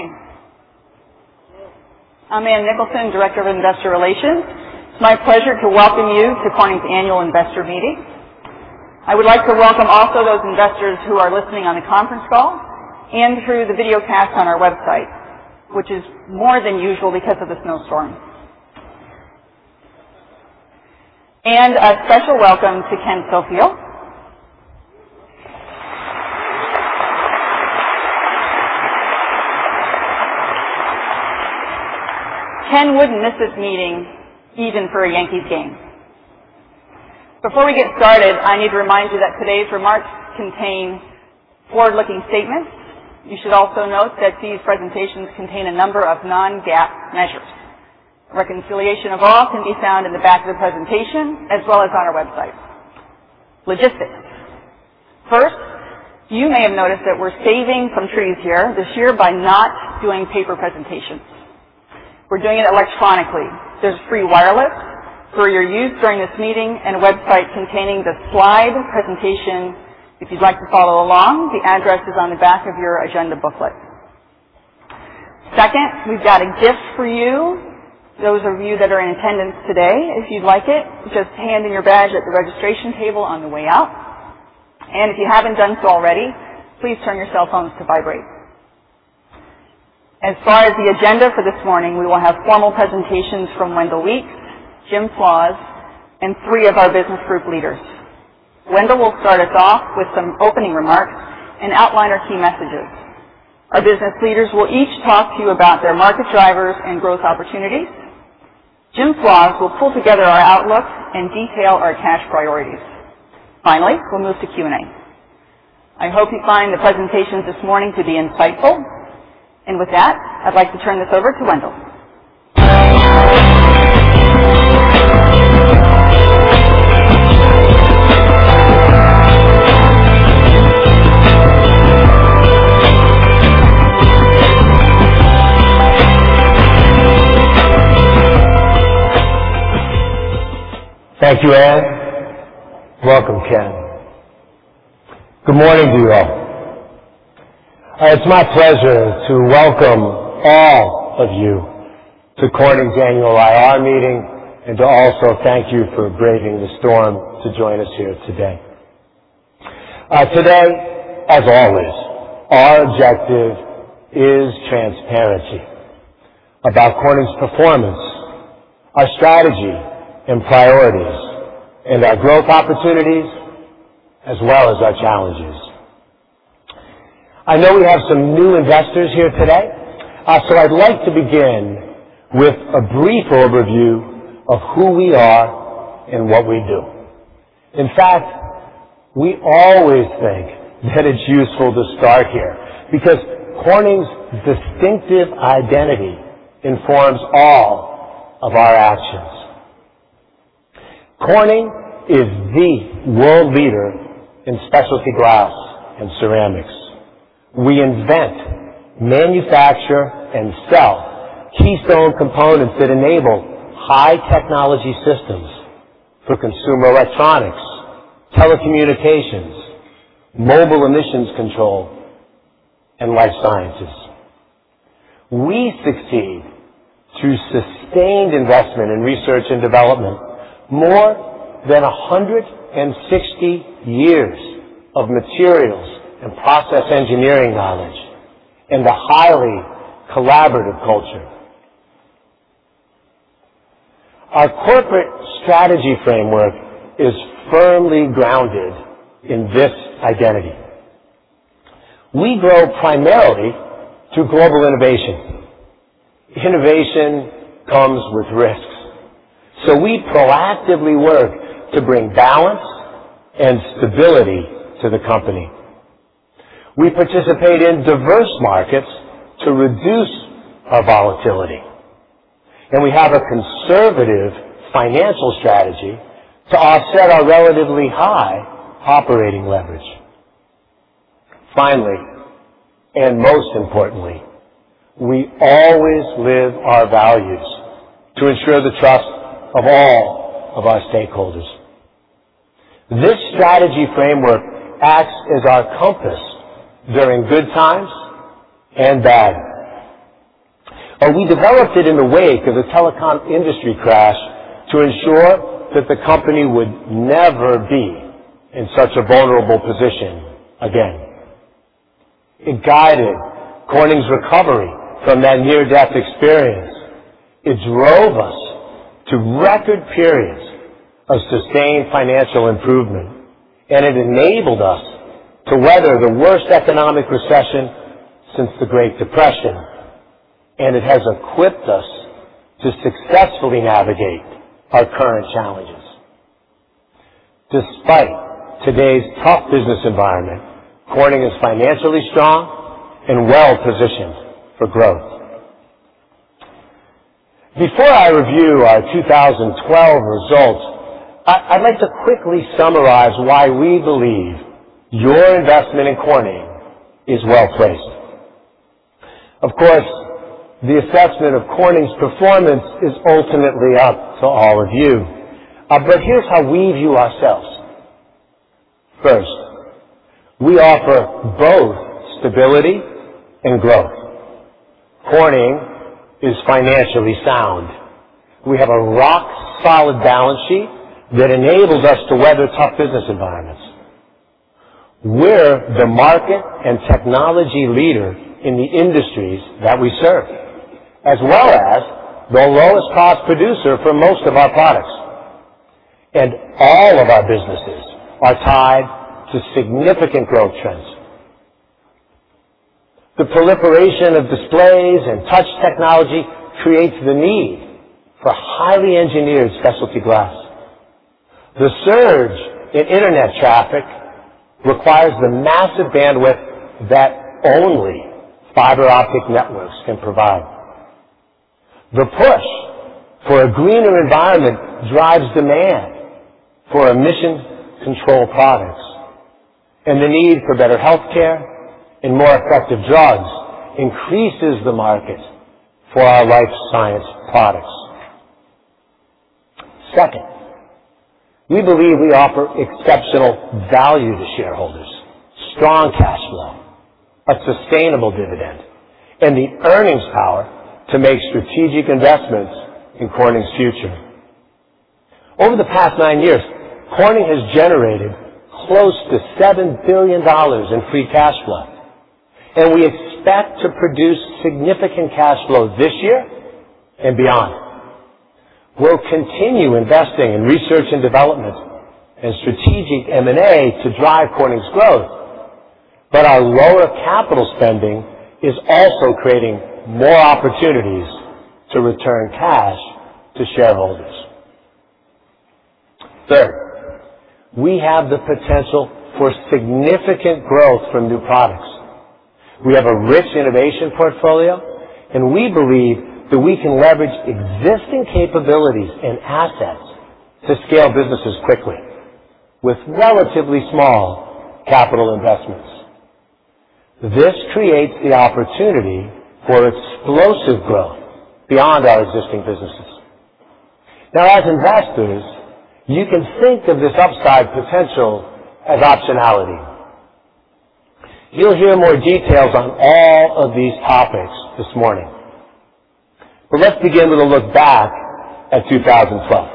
Hi. I'm Ann Nicholson, Director of Investor Relations. It's my pleasure to welcome you to Corning's annual investor meeting. I would like to welcome also those investors who are listening on a conference call and through the video cast on our website, which is more than usual because of the snowstorm. A special welcome to Ken Sofield. Ken wouldn't miss this meeting even for a Yankees game. Before we get started, I need to remind you that today's remarks contain forward-looking statements. You should also note that these presentations contain a number of non-GAAP measures. Reconciliation of all can be found in the back of the presentation, as well as on our website. Logistics. First, you may have noticed that we're saving some trees here this year by not doing paper presentations. We're doing it electronically. There's free wireless for your use during this meeting and a website containing the slide presentation. If you'd like to follow along, the address is on the back of your agenda booklet. Second, we've got a gift for you, those of you that are in attendance today. If you'd like it, just hand in your badge at the registration table on the way out. If you haven't done so already, please turn your cell phones to vibrate. As far as the agenda for this morning, we will have formal presentations from Wendell Weeks, Jim Flaws, and three of our business group leaders. Wendell will start us off with some opening remarks and outline our key messages. Our business leaders will each talk to you about their market drivers and growth opportunities. Jim Flaws will pull together our outlook and detail our cash priorities. Finally, we'll move to Q&A. I hope you find the presentations this morning to be insightful. With that, I'd like to turn this over to Wendell. Thank you, Ann. Welcome, Ken. Good morning to you all. It's my pleasure to welcome all of you to Corning's annual IR meeting, and to also thank you for braving the storm to join us here today. Today, as always, our objective is transparency about Corning's performance, our strategy and priorities, and our growth opportunities, as well as our challenges. I know we have some new investors here today, so I'd like to begin with a brief overview of who we are and what we do. In fact, we always think that it's useful to start here because Corning's distinctive identity informs all of our actions. Corning is the world leader in specialty glass and ceramics. We invent, manufacture, and sell keystone components that enable high-technology systems for consumer electronics, telecommunications, mobile emissions control, and life sciences. We succeed through sustained investment in research and development, more than 160 years of materials and process engineering knowledge, and a highly collaborative culture. Our corporate strategy framework is firmly grounded in this identity. We grow primarily through global innovation. Innovation comes with risks, so we proactively work to bring balance and stability to the company. We participate in diverse markets to reduce our volatility, and we have a conservative financial strategy to offset our relatively high operating leverage. Finally, most importantly, we always live our values to ensure the trust of all of our stakeholders. This strategy framework acts as our compass during good times and bad. We developed it in the wake of the telecom industry crash to ensure that the company would never be in such a vulnerable position again. It guided Corning's recovery from that near-death experience. It drove us to record periods of sustained financial improvement, and it enabled us to weather the worst economic recession since the Great Depression, and it has equipped us to successfully navigate our current challenges. Despite today's tough business environment, Corning is financially strong and well-positioned for growth. Before I review our 2012 results, I'd like to quickly summarize why we believe your investment in Corning is well-placed. Of course, the assessment of Corning's performance is ultimately up to all of you. Here's how we view ourselves First, we offer both stability and growth. Corning is financially sound. We have a rock-solid balance sheet that enables us to weather tough business environments. We're the market and technology leader in the industries that we serve, as well as the lowest cost producer for most of our products, and all of our businesses are tied to significant growth trends. The proliferation of displays and touch technology creates the need for highly engineered specialty glass. The surge in internet traffic requires the massive bandwidth that only fiber optic networks can provide. The push for a greener environment drives demand for emission control products, and the need for better healthcare and more effective drugs increases the market for our life science products. Second, we believe we offer exceptional value to shareholders, strong cash flow, a sustainable dividend, and the earnings power to make strategic investments in Corning's future. Over the past nine years, Corning has generated close to $7 billion in free cash flow, and we expect to produce significant cash flow this year and beyond. We'll continue investing in research and development and strategic M&A to drive Corning's growth. Our lower capital spending is also creating more opportunities to return cash to shareholders. Third, we have the potential for significant growth from new products. We have a rich innovation portfolio, and we believe that we can leverage existing capabilities and assets to scale businesses quickly with relatively small capital investments. This creates the opportunity for explosive growth beyond our existing businesses. Now, as investors, you can think of this upside potential as optionality. You'll hear more details on all of these topics this morning, let's begin with a look back at 2012.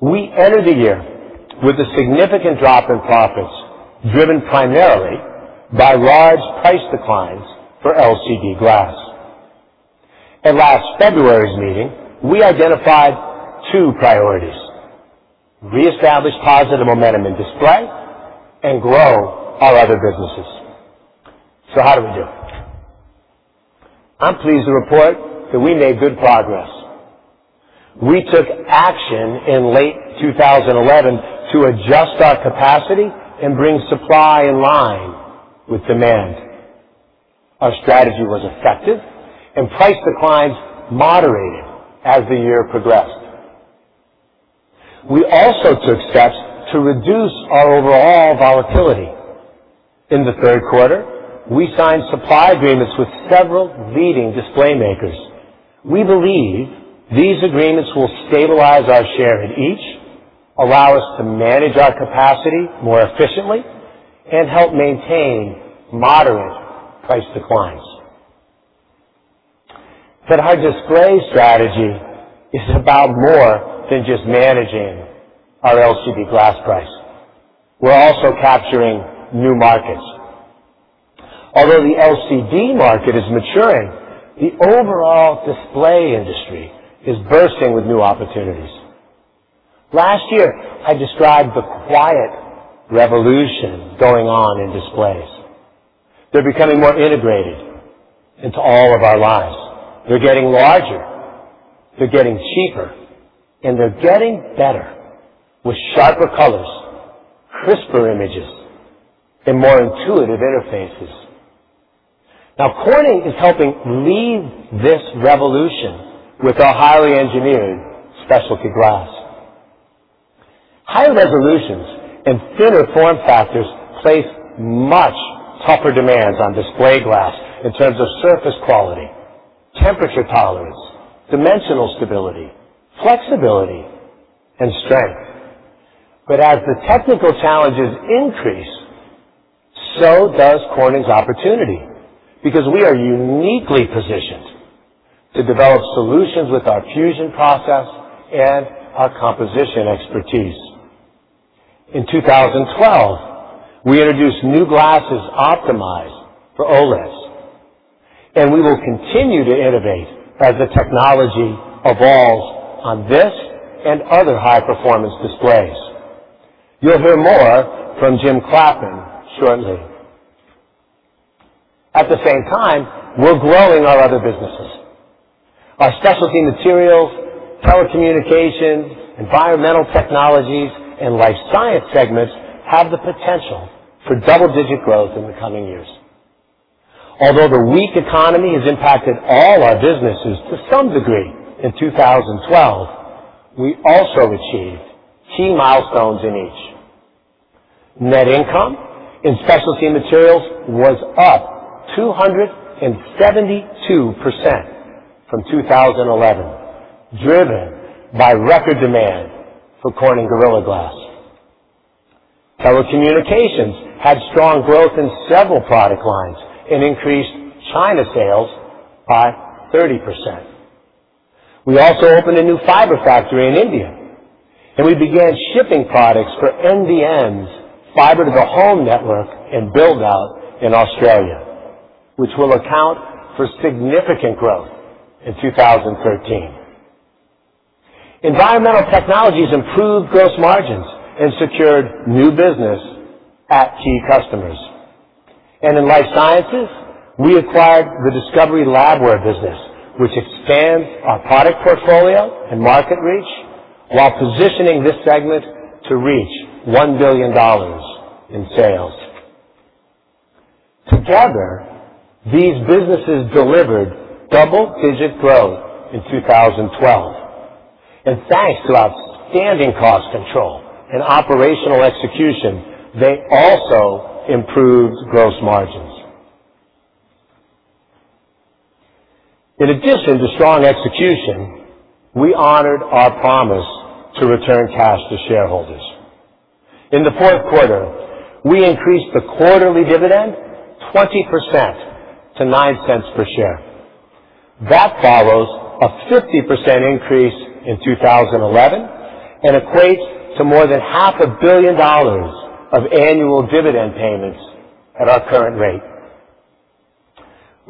We entered the year with a significant drop in profits, driven primarily by large price declines for LCD glass. At last February's meeting, we identified two priorities, reestablish positive momentum in display and grow our other businesses. How did we do? I'm pleased to report that we made good progress. We took action in late 2011 to adjust our capacity and bring supply in line with demand. Our strategy was effective. Price declines moderated as the year progressed. We also took steps to reduce our overall volatility. In the third quarter, we signed supply agreements with several leading display makers. We believe these agreements will stabilize our share in each, allow us to manage our capacity more efficiently, and help maintain moderate price declines. Our display strategy is about more than just managing our LCD glass price. We are also capturing new markets. Although the LCD market is maturing, the overall display industry is bursting with new opportunities. Last year, I described the quiet revolution going on in displays. They are becoming more integrated into all of our lives. They are getting larger, they are getting cheaper, and they are getting better with sharper colors, crisper images, and more intuitive interfaces. Corning is helping lead this revolution with our highly engineered specialty glass. High resolutions and thinner form factors place much tougher demands on display glass in terms of surface quality, temperature tolerance, dimensional stability, flexibility, and strength. As the technical challenges increase, so does Corning's opportunity because we are uniquely positioned to develop solutions with our fusion process and our composition expertise. In 2012, we introduced new glasses optimized for OLEDs, and we will continue to innovate as the technology evolves on this and other high-performance displays. You will hear more from Jim Clappin shortly. At the same time, we are growing our other businesses. Our Specialty Materials, Telecommunications, Environmental Technologies, and Life Sciences segments have the potential for double-digit growth in the coming years. Although the weak economy has impacted all our businesses to some degree in 2012, we also achieved key milestones in each. Net income in Specialty Materials was up 272%. From 2011, driven by record demand for Corning Gorilla Glass. Telecommunications had strong growth in several product lines and increased China sales by 30%. We also opened a new fiber factory in India, and we began shipping products for NBN's fiber-to-the-home network and build-out in Australia, which will account for significant growth in 2013. Environmental Technologies improved gross margins and secured new business at key customers. In Life Sciences, we acquired the Discovery Labware business, which expands our product portfolio and market reach while positioning this segment to reach $1 billion in sales. Together, these businesses delivered double-digit growth in 2012, and thanks to outstanding cost control and operational execution, they also improved gross margins. In addition to strong execution, we honored our promise to return cash to shareholders. In the fourth quarter, we increased the quarterly dividend 20% to $0.09 per share. That follows a 50% increase in 2011 and equates to more than half a billion dollars of annual dividend payments at our current rate.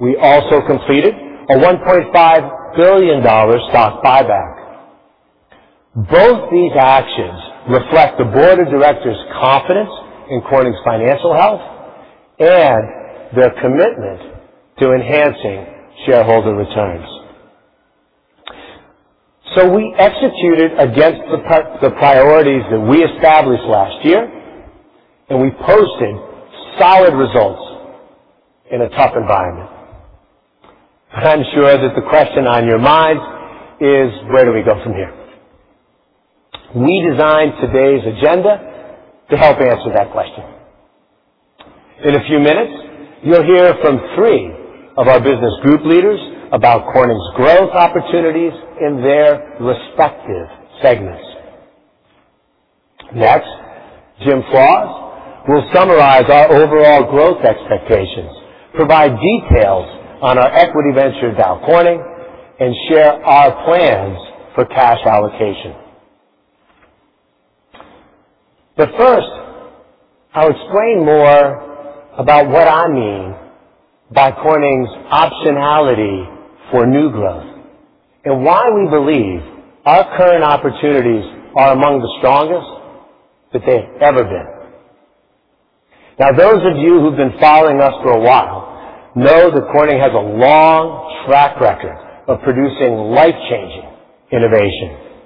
We also completed a $1.5 billion stock buyback. Both these actions reflect the board of directors' confidence in Corning's financial health and their commitment to enhancing shareholder returns. We executed against the priorities that we established last year, and we posted solid results in a tough environment. I am sure that the question on your minds is, where do we go from here? We designed today's agenda to help answer that question. In a few minutes, you will hear from three of our business group leaders about Corning's growth opportunities in their respective segments. Jim Flaws will summarize our overall growth expectations, provide details on our equity venture, Dow Corning, and share our plans for cash allocation. I'll explain more about what I mean by Corning's optionality for new growth and why we believe our current opportunities are among the strongest that they've ever been. Now, those of you who've been following us for a while know that Corning has a long track record of producing life-changing innovation.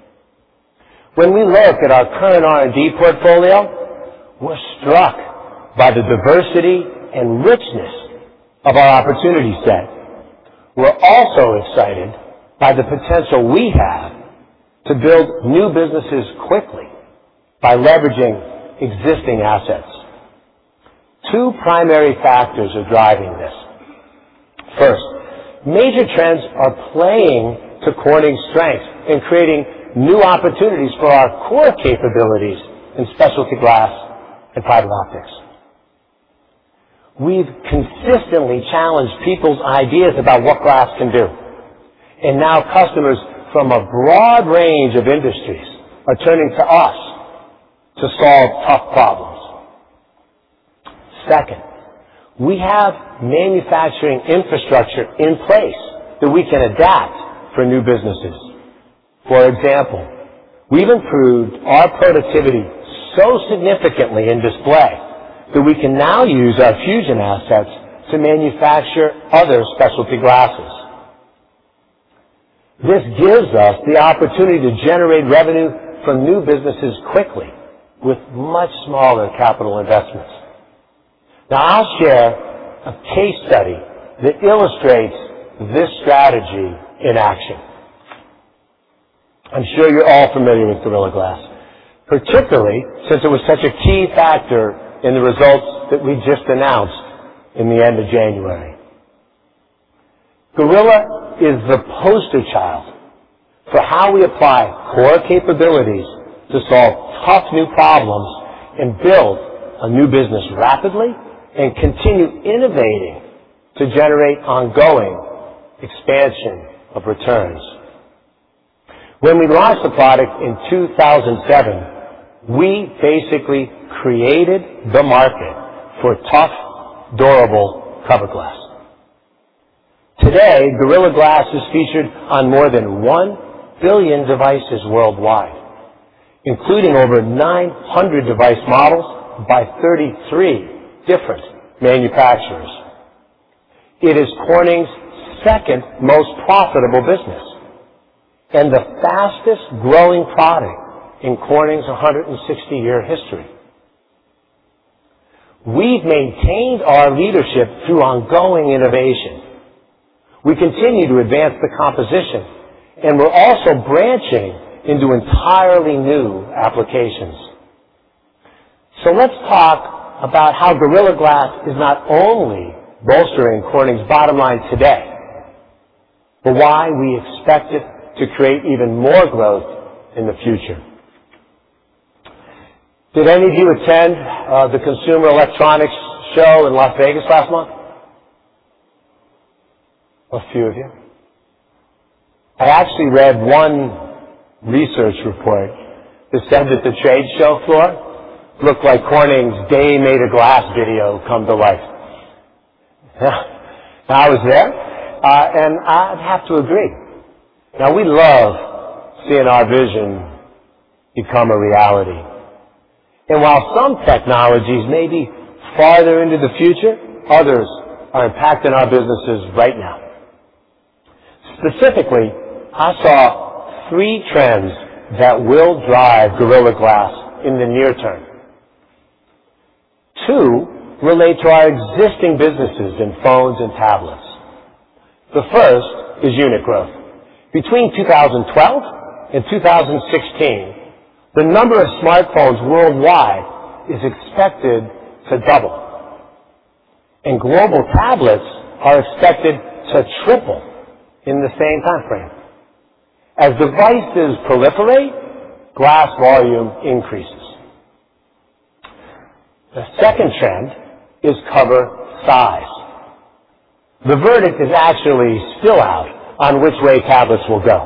When we look at our current R&D portfolio, we're struck by the diversity and richness of our opportunity set. We're also excited by the potential we have to build new businesses quickly by leveraging existing assets. Two primary factors are driving this. First, major trends are playing to Corning's strength in creating new opportunities for our core capabilities in specialty glass and fiber optics. We've consistently challenged people's ideas about what glass can do, and now customers from a broad range of industries are turning to us to solve tough problems. Second, we have manufacturing infrastructure in place that we can adapt for new businesses. For example, we've improved our productivity so significantly in display that we can now use our fusion assets to manufacture other specialty glasses. This gives us the opportunity to generate revenue from new businesses quickly with much smaller capital investments. Now, I'll share a case study that illustrates this strategy in action. I'm sure you're all familiar with Gorilla Glass, particularly since it was such a key factor in the results that we just announced in the end of January. Gorilla is the poster child for how we apply core capabilities to solve tough new problems and build a new business rapidly and continue innovating to generate ongoing expansion of returns. When we launched the product in 2007, we basically created the market for tough, durable cover glass. Today, Gorilla Glass is featured on more than 1 billion devices worldwide, including over 900 device models by 33 different manufacturers. It is Corning's second most profitable business and the fastest-growing product in Corning's 160-year history. We've maintained our leadership through ongoing innovation. We continue to advance the composition, and we're also branching into entirely new applications. Let's talk about how Gorilla Glass is not only bolstering Corning's bottom line today, but why we expect it to create even more growth in the future. Did any of you attend the Consumer Electronics Show in Las Vegas last month? A few of you. I actually read one research report that said that the trade show floor looked like Corning's "A Day Made of Glass" video come to life. I was there, and I'd have to agree. We love seeing our vision become a reality. While some technologies may be farther into the future, others are impacting our businesses right now. Specifically, I saw three trends that will drive Gorilla Glass in the near term. Two relate to our existing businesses in phones and tablets. The first is unit growth. Between 2012 and 2016, the number of smartphones worldwide is expected to double, and global tablets are expected to triple in the same time frame. As devices proliferate, glass volume increases. The second trend is cover size. The verdict is actually still out on which way tablets will go.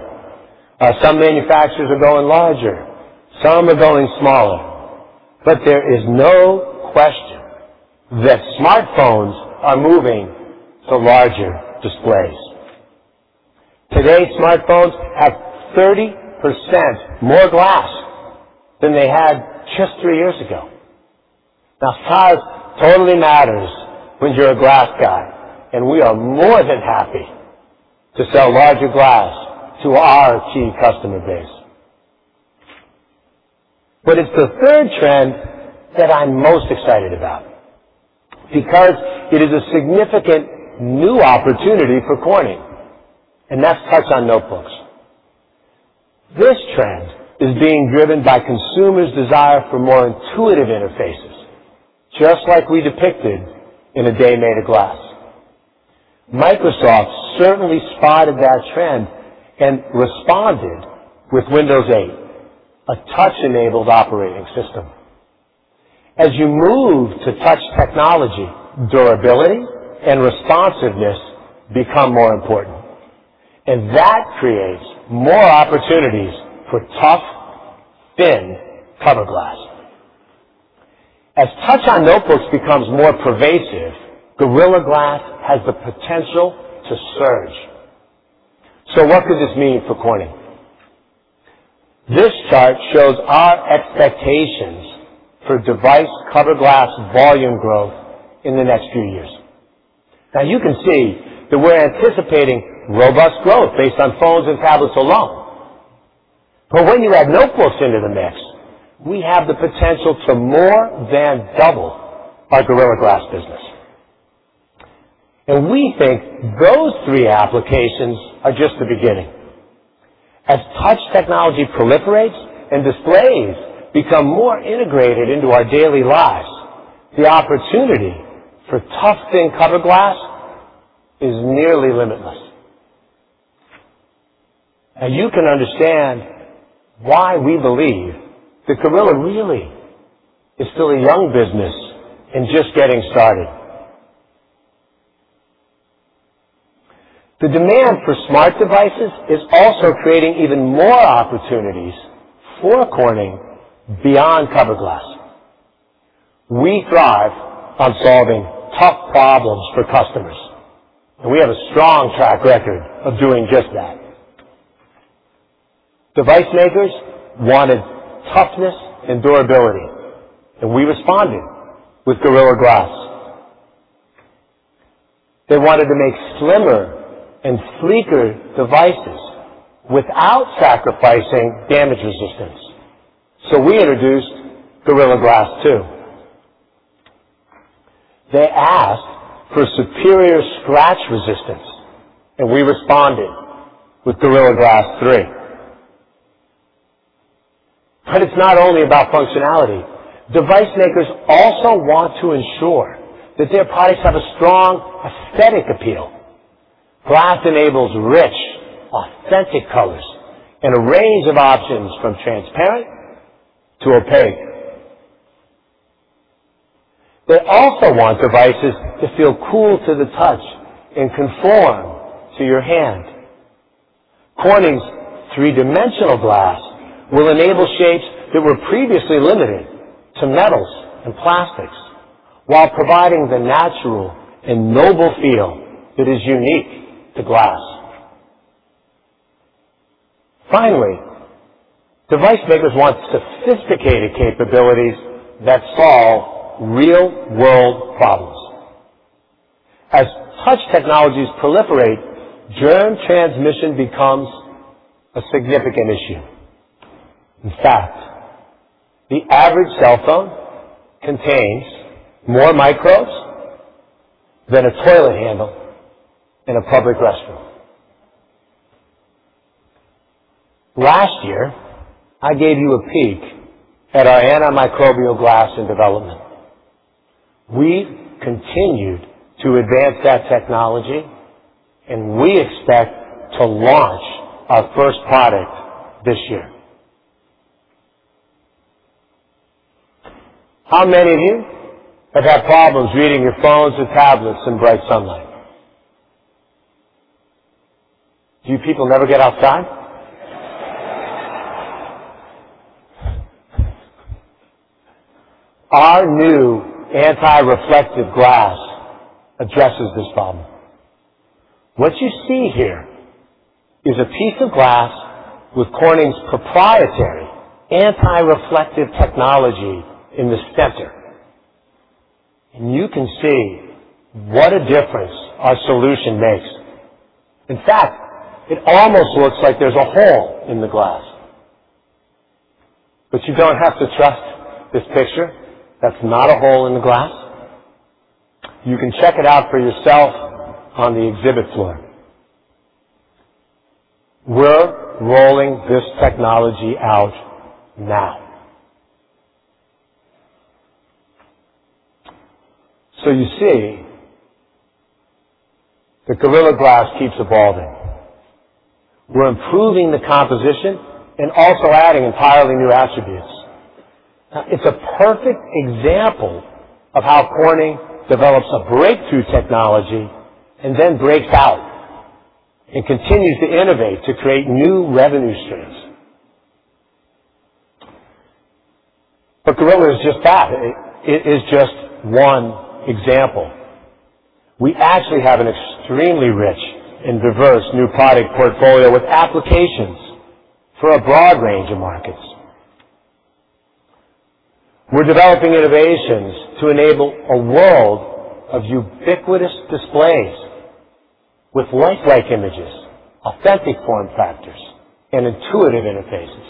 Some manufacturers are going larger, some are going smaller, but there is no question that smartphones are moving to larger displays. Today's smartphones have 30% more glass than they had just three years ago. size totally matters when you're a glass guy, and we are more than happy to sell larger glass to our key customer base. It's the third trend that I'm most excited about because it is a significant new opportunity for Corning, and that's touch on notebooks. This trend is being driven by consumers' desire for more intuitive interfaces, just like we depicted in "A Day Made of Glass." Microsoft certainly spotted that trend and responded with Windows 8, a touch-enabled operating system. As you move to touch technology, durability and responsiveness become more important, and that creates more opportunities for tough, thin cover glass. As touch on notebooks becomes more pervasive, Gorilla Glass has the potential to surge. What could this mean for Corning? This chart shows our expectations for device cover glass volume growth in the next few years. you can see that we're anticipating robust growth based on phones and tablets alone. When you add notebooks into the mix, we have the potential to more than double our Gorilla Glass business. We think those three applications are just the beginning. As touch technology proliferates and displays become more integrated into our daily lives, the opportunity for tough, thin cover glass is nearly limitless. You can understand why we believe that Gorilla really is still a young business and just getting started. The demand for smart devices is also creating even more opportunities for Corning beyond cover glass. We thrive on solving tough problems for customers, and we have a strong track record of doing just that. Device makers wanted toughness and durability, and we responded with Gorilla Glass. They wanted to make slimmer and sleeker devices without sacrificing damage resistance, so we introduced Gorilla Glass 2. They asked for superior scratch resistance, and we responded with Gorilla Glass 3. It's not only about functionality. Device makers also want to ensure that their products have a strong aesthetic appeal. Glass enables rich, authentic colors in a range of options from transparent to opaque. They also want devices to feel cool to the touch and conform to your hand. Corning's three-dimensional glass will enable shapes that were previously limited to metals and plastics while providing the natural and noble feel that is unique to glass. Finally, device makers want sophisticated capabilities that solve real-world problems. As touch technologies proliferate, germ transmission becomes a significant issue. In fact, the average cell phone contains more microbes than a toilet handle in a public restroom. Last year, I gave you a peek at our antimicrobial glass in development. We continued to advance that technology, and we expect to launch our first product this year. How many of you have had problems reading your phones or tablets in bright sunlight? Do you people never get outside? Our new anti-reflective glass addresses this problem. What you see here is a piece of glass with Corning's proprietary anti-reflective technology in the center, and you can see what a difference our solution makes. In fact, it almost looks like there's a hole in the glass. You don't have to trust this picture. That's not a hole in the glass. You can check it out for yourself on the exhibit floor. We're rolling this technology out now. You see that Gorilla Glass keeps evolving. We're improving the composition and also adding entirely new attributes. It's a perfect example of how Corning develops a breakthrough technology and then breaks out and continues to innovate to create new revenue streams. Gorilla is just that. It is just one example. We actually have an extremely rich and diverse new product portfolio with applications for a broad range of markets. We're developing innovations to enable a world of ubiquitous displays with lifelike images, authentic form factors, and intuitive interfaces.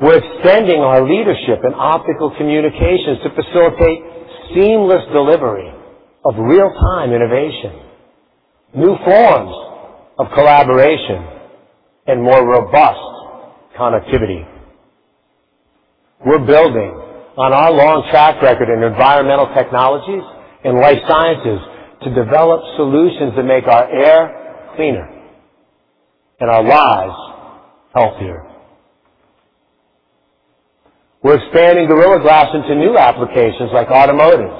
We're extending our leadership in optical communications to facilitate seamless delivery of real-time innovation, new forms of collaboration, and more robust connectivity. We're building on our long track record in Environmental Technologies and Life Sciences to develop solutions that make our air cleaner and our lives healthier. We're expanding Gorilla Glass into new applications like automotive,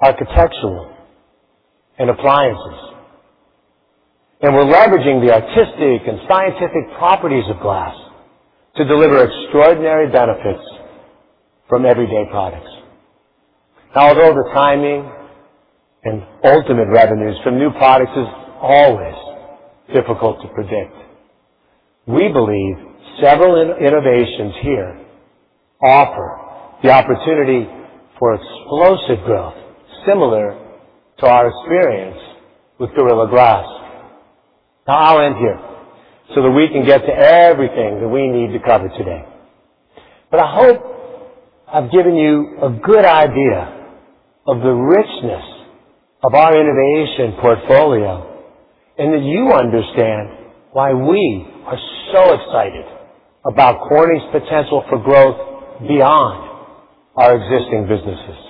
architectural, and appliances. We're leveraging the artistic and scientific properties of glass to deliver extraordinary benefits from everyday products. Although the timing and ultimate revenues from new products is always difficult to predict, we believe several innovations here offer the opportunity for explosive growth similar to our experience with Gorilla Glass. I'll end here so that we can get to everything that we need to cover today. I hope I've given you a good idea of the richness of our innovation portfolio and that you understand why we are so excited about Corning's potential for growth beyond our existing businesses.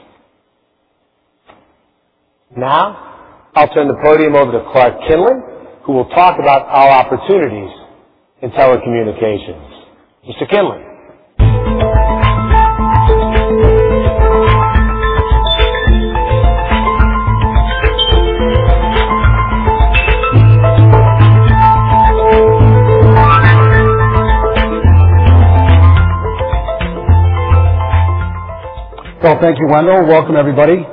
I'll turn the podium over to Clark Kinlin, who will talk about our opportunities in telecommunications. Mr. Kinlin. Thank you, Wendell. Welcome, everybody.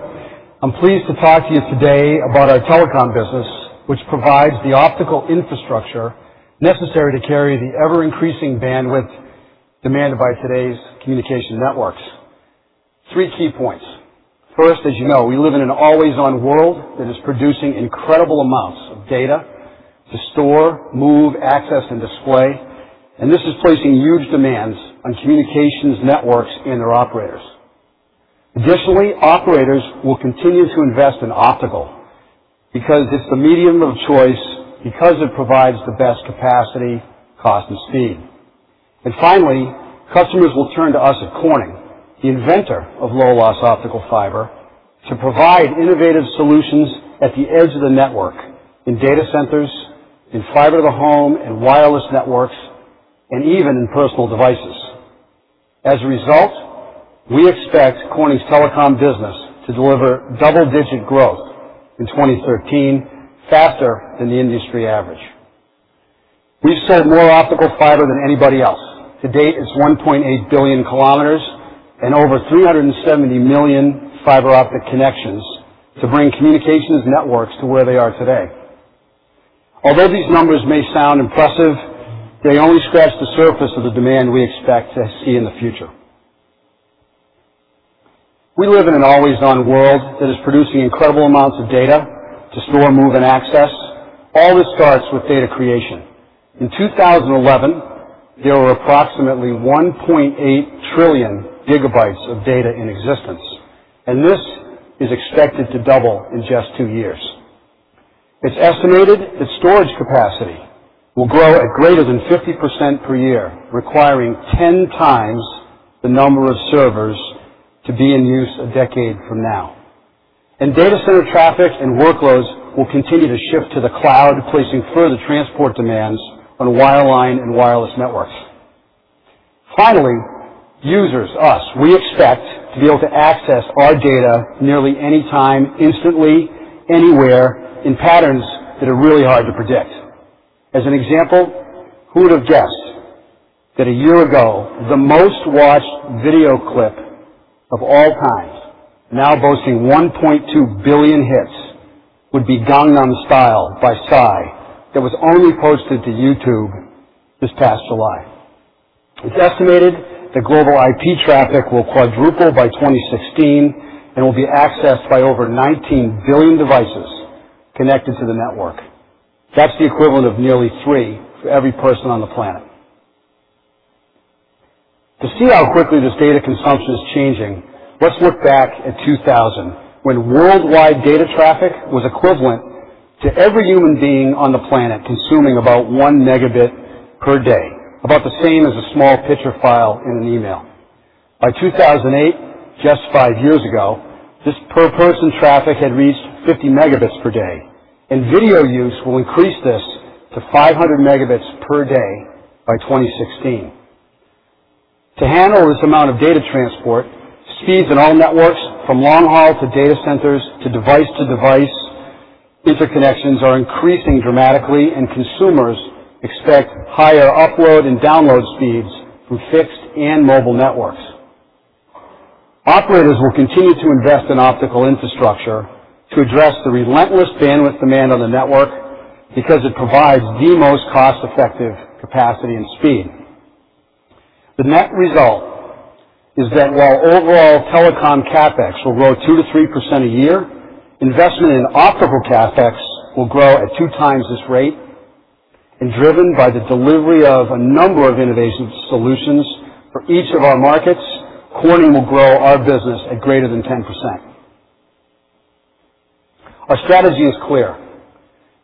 I'm pleased to talk to you today about our telecom business, which provides the optical infrastructure necessary to carry the ever-increasing bandwidth demanded by today's communication networks. Three key points. First, as you know, we live in an always-on world that is producing incredible amounts of data to store, move, access, and display, and this is placing huge demands on communications networks and their operators. Additionally, operators will continue to invest in optical because it's the medium of choice because it provides the best capacity, cost, and speed. Finally, customers will turn to us at Corning, the inventor of low-loss optical fiber, to provide innovative solutions at the edge of the network in data centers, in fiber to the home and wireless networks, and even in personal devices. As a result, we expect Corning's telecom business to deliver double-digit growth in 2013, faster than the industry average. We've sold more optical fiber than anybody else. To date, it's 1.8 billion kilometers and over 370 million fiber optic connections to bring communications networks to where they are today. Although these numbers may sound impressive, they only scratch the surface of the demand we expect to see in the future. We live in an always-on world that is producing incredible amounts of data to store, move, and access. All this starts with data creation. In 2011, there were approximately 1.8 trillion gigabytes of data in existence. This is expected to double in just two years. It's estimated that storage capacity will grow at greater than 50% per year, requiring 10 times the number of servers to be in use a decade from now. Data center traffic and workloads will continue to shift to the cloud, placing further transport demands on wireline and wireless networks. Finally, users, us, we expect to be able to access our data nearly anytime, instantly, anywhere, in patterns that are really hard to predict. As an example, who would have guessed that a year ago, the most-watched video clip of all time, now boasting 1.2 billion hits, would be "Gangnam Style" by Psy, that was only posted to YouTube this past July? It's estimated that global IP traffic will quadruple by 2016 and will be accessed by over 19 billion devices connected to the network. That's the equivalent of nearly three for every person on the planet. To see how quickly this data consumption is changing, let's look back at 2000, when worldwide data traffic was equivalent to every human being on the planet consuming about one megabit per day, about the same as a small picture file in an email. By 2008, just five years ago, this per person traffic had reached 50 megabits per day. Video use will increase this to 500 megabits per day by 2016. To handle this amount of data transport, speeds in all networks from long haul to data centers to device-to-device interconnections are increasing dramatically. Consumers expect higher upload and download speeds from fixed and mobile networks. Operators will continue to invest in optical infrastructure to address the relentless bandwidth demand on the network because it provides the most cost-effective capacity and speed. The net result is that while overall telecom CapEx will grow 2%-3% a year, investment in optical CapEx will grow at two times this rate. Driven by the delivery of a number of innovative solutions for each of our markets, Corning will grow our business at greater than 10%. Our strategy is clear.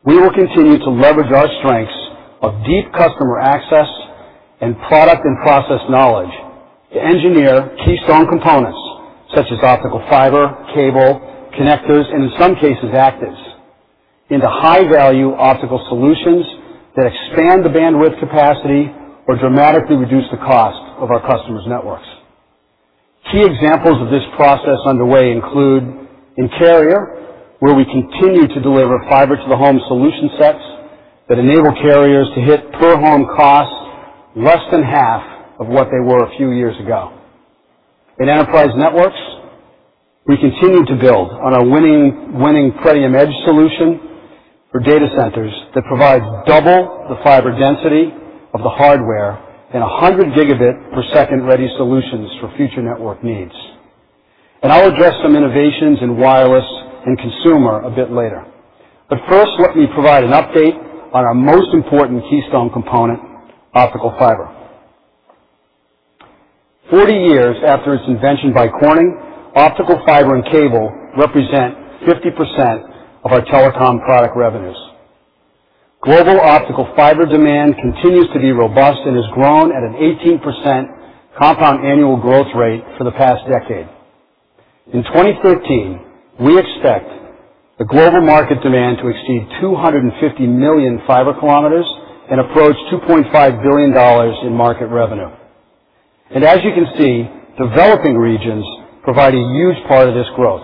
We will continue to leverage our strengths of deep customer access and product and process knowledge to engineer keystone components such as optical fiber, cable, connectors, and in some cases, actives, into high-value optical solutions that expand the bandwidth capacity or dramatically reduce the cost of our customers' networks. Key examples of this process underway include in Carrier, where we continue to deliver fiber to the home solution sets that enable carriers to hit per home costs less than half of what they were a few years ago. In Enterprise Networks, we continue to build on our winning Pretium EDGE solution for data centers that provide double the fiber density of the hardware and 100 gigabit per second-ready solutions for future network needs. I'll address some innovations in wireless and consumer a bit later. First, let me provide an update on our most important keystone component, optical fiber. 40 years after its invention by Corning, optical fiber and cable represent 50% of our telecom product revenues. Global optical fiber demand continues to be robust and has grown at an 18% compound annual growth rate for the past decade. In 2013, we expect the global market demand to exceed 250 million fiber kilometers and approach $2.5 billion in market revenue. As you can see, developing regions provide a huge part of this growth.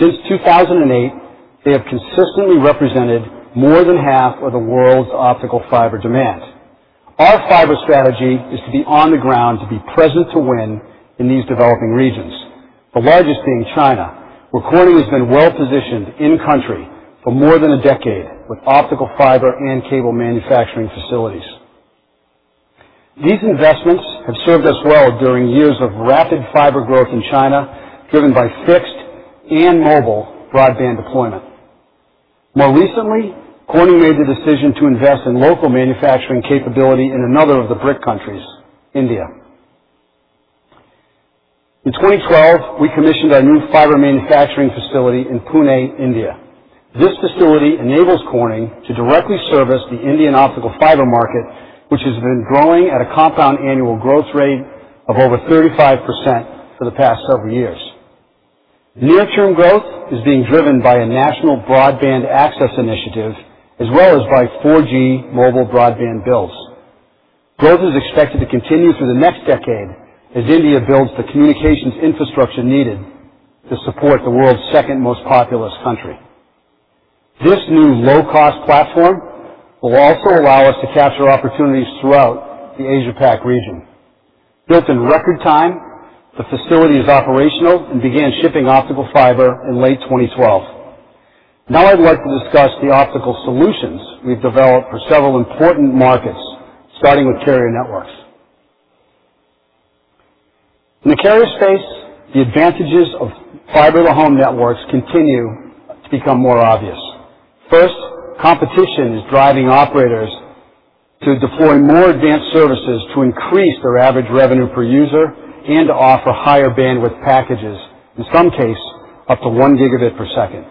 Since 2008, they have consistently represented more than half of the world's optical fiber demand. Our fiber strategy is to be on the ground, to be present to win in these developing regions, the largest being China, where Corning has been well-positioned in country for more than a decade with optical fiber and cable manufacturing facilities. These investments have served us well during years of rapid fiber growth in China, driven by fixed and mobile broadband deployment. More recently, Corning made the decision to invest in local manufacturing capability in another of the BRIC countries, India. In 2012, we commissioned our new fiber manufacturing facility in Pune, India. This facility enables Corning to directly service the Indian optical fiber market, which has been growing at a compound annual growth rate of over 35% for the past several years. Near-term growth is being driven by a national broadband access initiative, as well as by 4G mobile broadband builds. Growth is expected to continue through the next decade as India builds the communications infrastructure needed to support the world's second most populous country. This new low-cost platform will also allow us to capture opportunities throughout the Asia-Pac region. Built in record time, the facility is operational and began shipping optical fiber in late 2012. I'd like to discuss the optical solutions we've developed for several important markets, starting with carrier networks. In the carrier space, the advantages of fiber to the home networks continue to become more obvious. First, competition is driving operators to deploy more advanced services to increase their average revenue per user and offer higher bandwidth packages, in some cases up to one gigabit per second.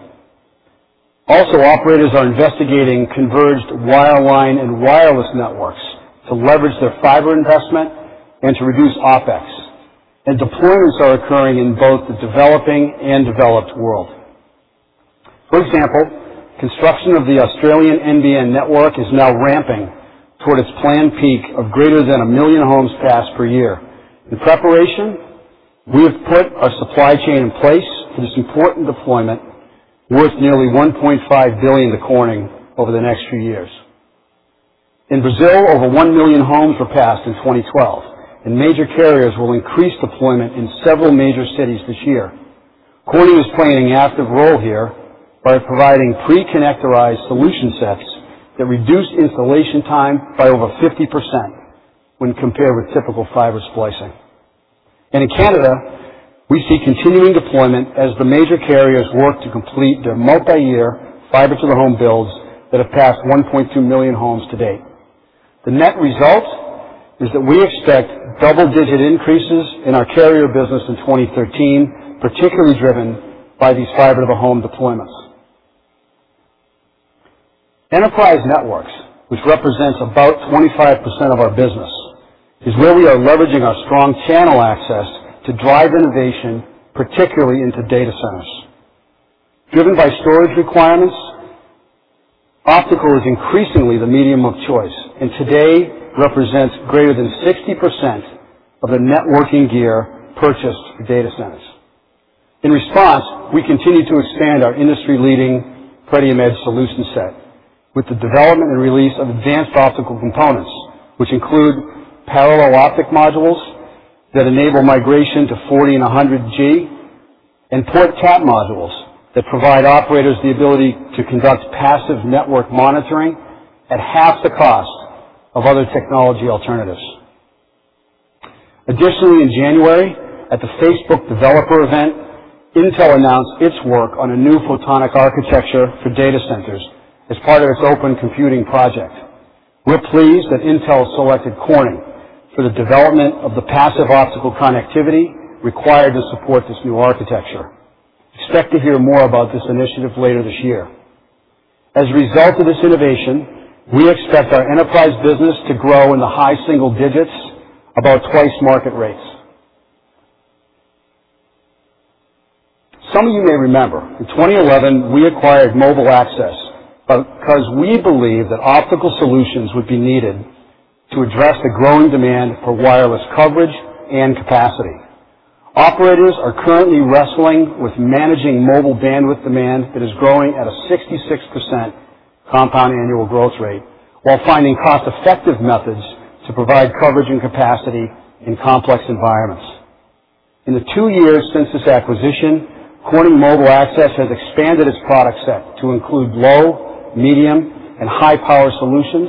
Operators are investigating converged wireline and wireless networks to leverage their fiber investment and to reduce OpEx. Deployments are occurring in both the developing and developed world. For example, construction of the Australian NBN network is now ramping toward its planned peak of greater than 1 million homes passed per year. In preparation, we have put our supply chain in place for this important deployment, worth nearly $1.5 billion to Corning over the next few years. In Brazil, over 1 million homes were passed in 2012, and major carriers will increase deployment in several major cities this year. Corning is playing an active role here by providing pre-connectorized solution sets that reduce installation time by over 50% when compared with typical fiber splicing. In Canada, we see continuing deployment as the major carriers work to complete their multiyear fiber-to-the-home builds that have passed 1.2 million homes to date. The net result is that we expect double-digit increases in our carrier business in 2013, particularly driven by these fiber-to-the-home deployments. Enterprise networks, which represents about 25% of our business, is where we are leveraging our strong channel access to drive innovation, particularly into data centers. Driven by storage requirements, optical is increasingly the medium of choice, and today represents greater than 60% of the networking gear purchased for data centers. In response, we continue to expand our industry-leading PrediMed solution set with the development and release of advanced optical components, which include parallel optic modules that enable migration to 40 and 100G, and port tap modules that provide operators the ability to conduct passive network monitoring at half the cost of other technology alternatives. Additionally, in January, at the Facebook developer event, Intel announced its work on a new photonic architecture for data centers as part of its Open Compute Project. We're pleased that Intel selected Corning for the development of the passive optical connectivity required to support this new architecture. Expect to hear more about this initiative later this year. As a result of this innovation, we expect our enterprise business to grow in the high single digits, about twice market rates. Some of you may remember, in 2011, we acquired MobileAccess because we believe that optical solutions would be needed to address the growing demand for wireless coverage and capacity. Operators are currently wrestling with managing mobile bandwidth demand that is growing at a 66% compound annual growth rate while finding cost-effective methods to provide coverage and capacity in complex environments. In the two years since this acquisition, Corning MobileAccess has expanded its product set to include low, medium, and high-power solutions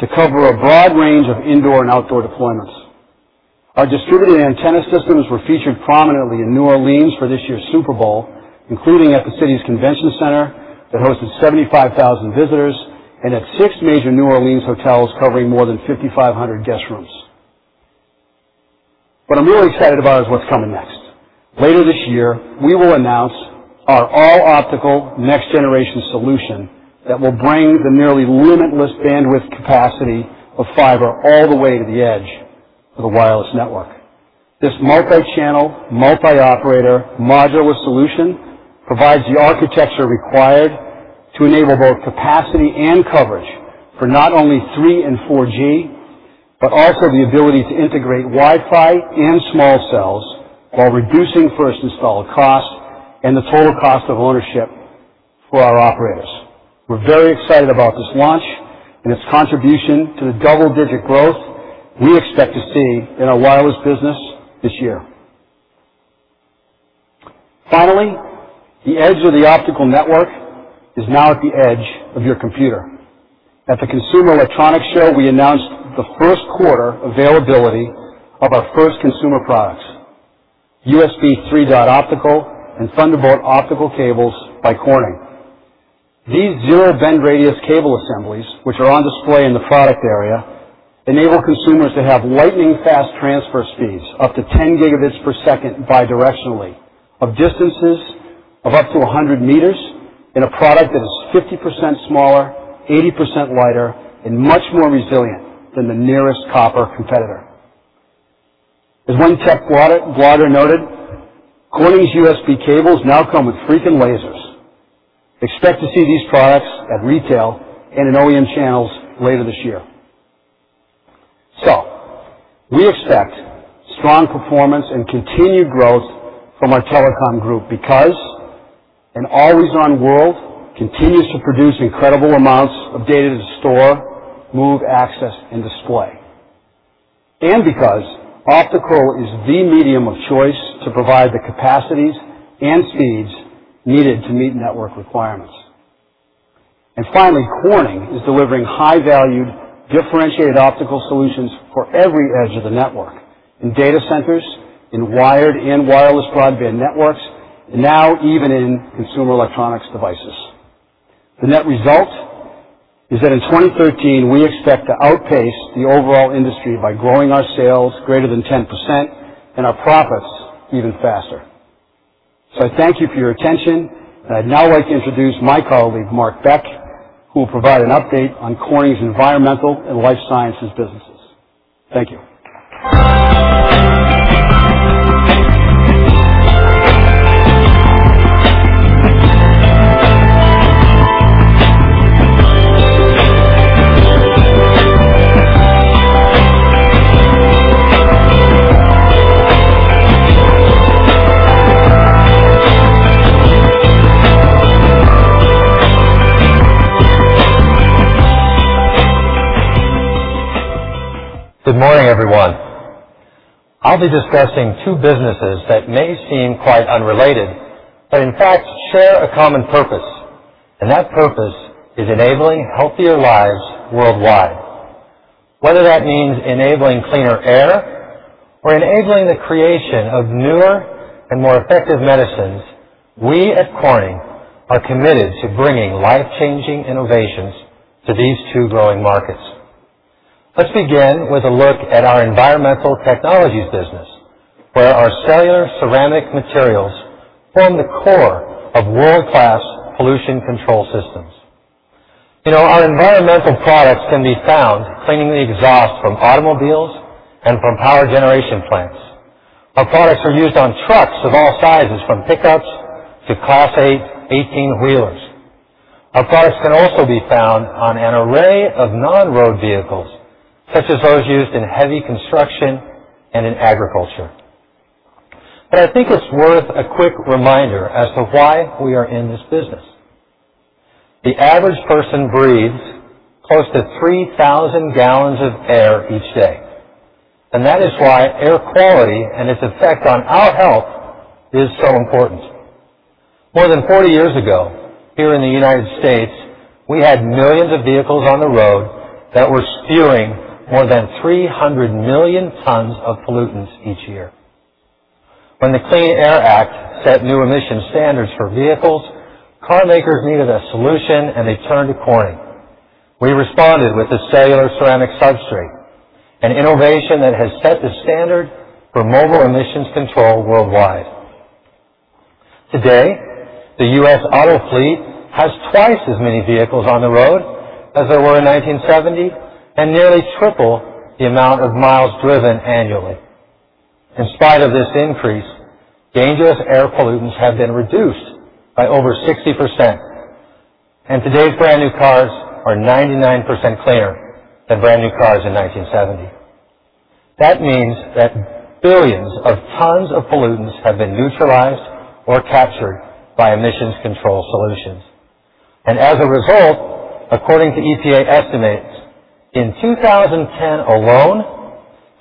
to cover a broad range of indoor and outdoor deployments. Our distributed antenna systems were featured prominently in New Orleans for this year's Super Bowl, including at the city's convention center that hosted 75,000 visitors and at six major New Orleans hotels covering more than 5,500 guest rooms. What I'm really excited about is what's coming next. Later this year, we will announce our all-optical next-generation solution that will bring the nearly limitless bandwidth capacity of fiber all the way to the edge of a wireless network. This multi-channel, multi-operator modular solution provides the architecture required to enable both capacity and coverage for not only 3G and 4G, but also the ability to integrate Wi-Fi and small cells while reducing first install cost and the total cost of ownership for our operators. We're very excited about this launch and its contribution to the double-digit growth we expect to see in our wireless business this year. Finally, the edge of the optical network is now at the edge of your computer. At the Consumer Electronics Show, we announced the first quarter availability of our first consumer products, USB 3.0 optical and Thunderbolt optical cables by Corning. These zero bend radius cable assemblies, which are on display in the product area, enable consumers to have lightning-fast transfer speeds, up to 10 gigabits per second bidirectionally of distances of up to 100 meters in a product that is 50% smaller, 80% lighter, and much more resilient than the nearest copper competitor. As one tech blogger noted, "Corning's USB cables now come with freaking lasers." Expect to see these products at retail and in OEM channels later this year. We expect strong performance and continued growth from our telecom group because an always-on world continues to produce incredible amounts of data to store, move, access, and display. Because optical is the medium of choice to provide the capacities and speeds needed to meet network requirements. Finally, Corning is delivering high-value, differentiated optical solutions for every edge of the network, in data centers, in wired and wireless broadband networks. Now even in consumer electronics devices. The net result is that in 2013, we expect to outpace the overall industry by growing our sales greater than 10%, and our profits even faster. I thank you for your attention, and I'd now like to introduce my colleague, Mark Beck, who will provide an update on Corning's Environmental Technologies and Life Sciences businesses. Thank you. Good morning, everyone. I'll be discussing two businesses that may seem quite unrelated, but in fact, share a common purpose, and that purpose is enabling healthier lives worldwide. Whether that means enabling cleaner air or enabling the creation of newer and more effective medicines, we at Corning are committed to bringing life-changing innovations to these two growing markets. Let's begin with a look at our Environmental Technologies business, where our cellular ceramic materials form the core of world-class pollution control systems. Our environmental products can be found cleaning the exhaust from automobiles and from power generation plants. Our products are used on trucks of all sizes, from pickups to Class 8 18-wheelers. Our products can also be found on an array of non-road vehicles, such as those used in heavy construction and in agriculture. I think it's worth a quick reminder as to why we are in this business. The average person breathes close to 3,000 gallons of air each day. That is why air quality and its effect on our health is so important. More than 40 years ago, here in the U.S., we had millions of vehicles on the road that were spewing more than 300 million tons of pollutants each year. When the Clean Air Act set new emissions standards for vehicles, car makers needed a solution. They turned to Corning. We responded with the cellular ceramic substrate, an innovation that has set the standard for mobile emissions control worldwide. Today, the U.S. auto fleet has twice as many vehicles on the road as there were in 1970, nearly triple the amount of miles driven annually. In spite of this increase, dangerous air pollutants have been reduced by over 60%, and today's brand-new cars are 99% cleaner than brand-new cars in 1970. That means that billions of tons of pollutants have been neutralized or captured by emissions control solutions. As a result, according to EPA estimates, in 2010 alone,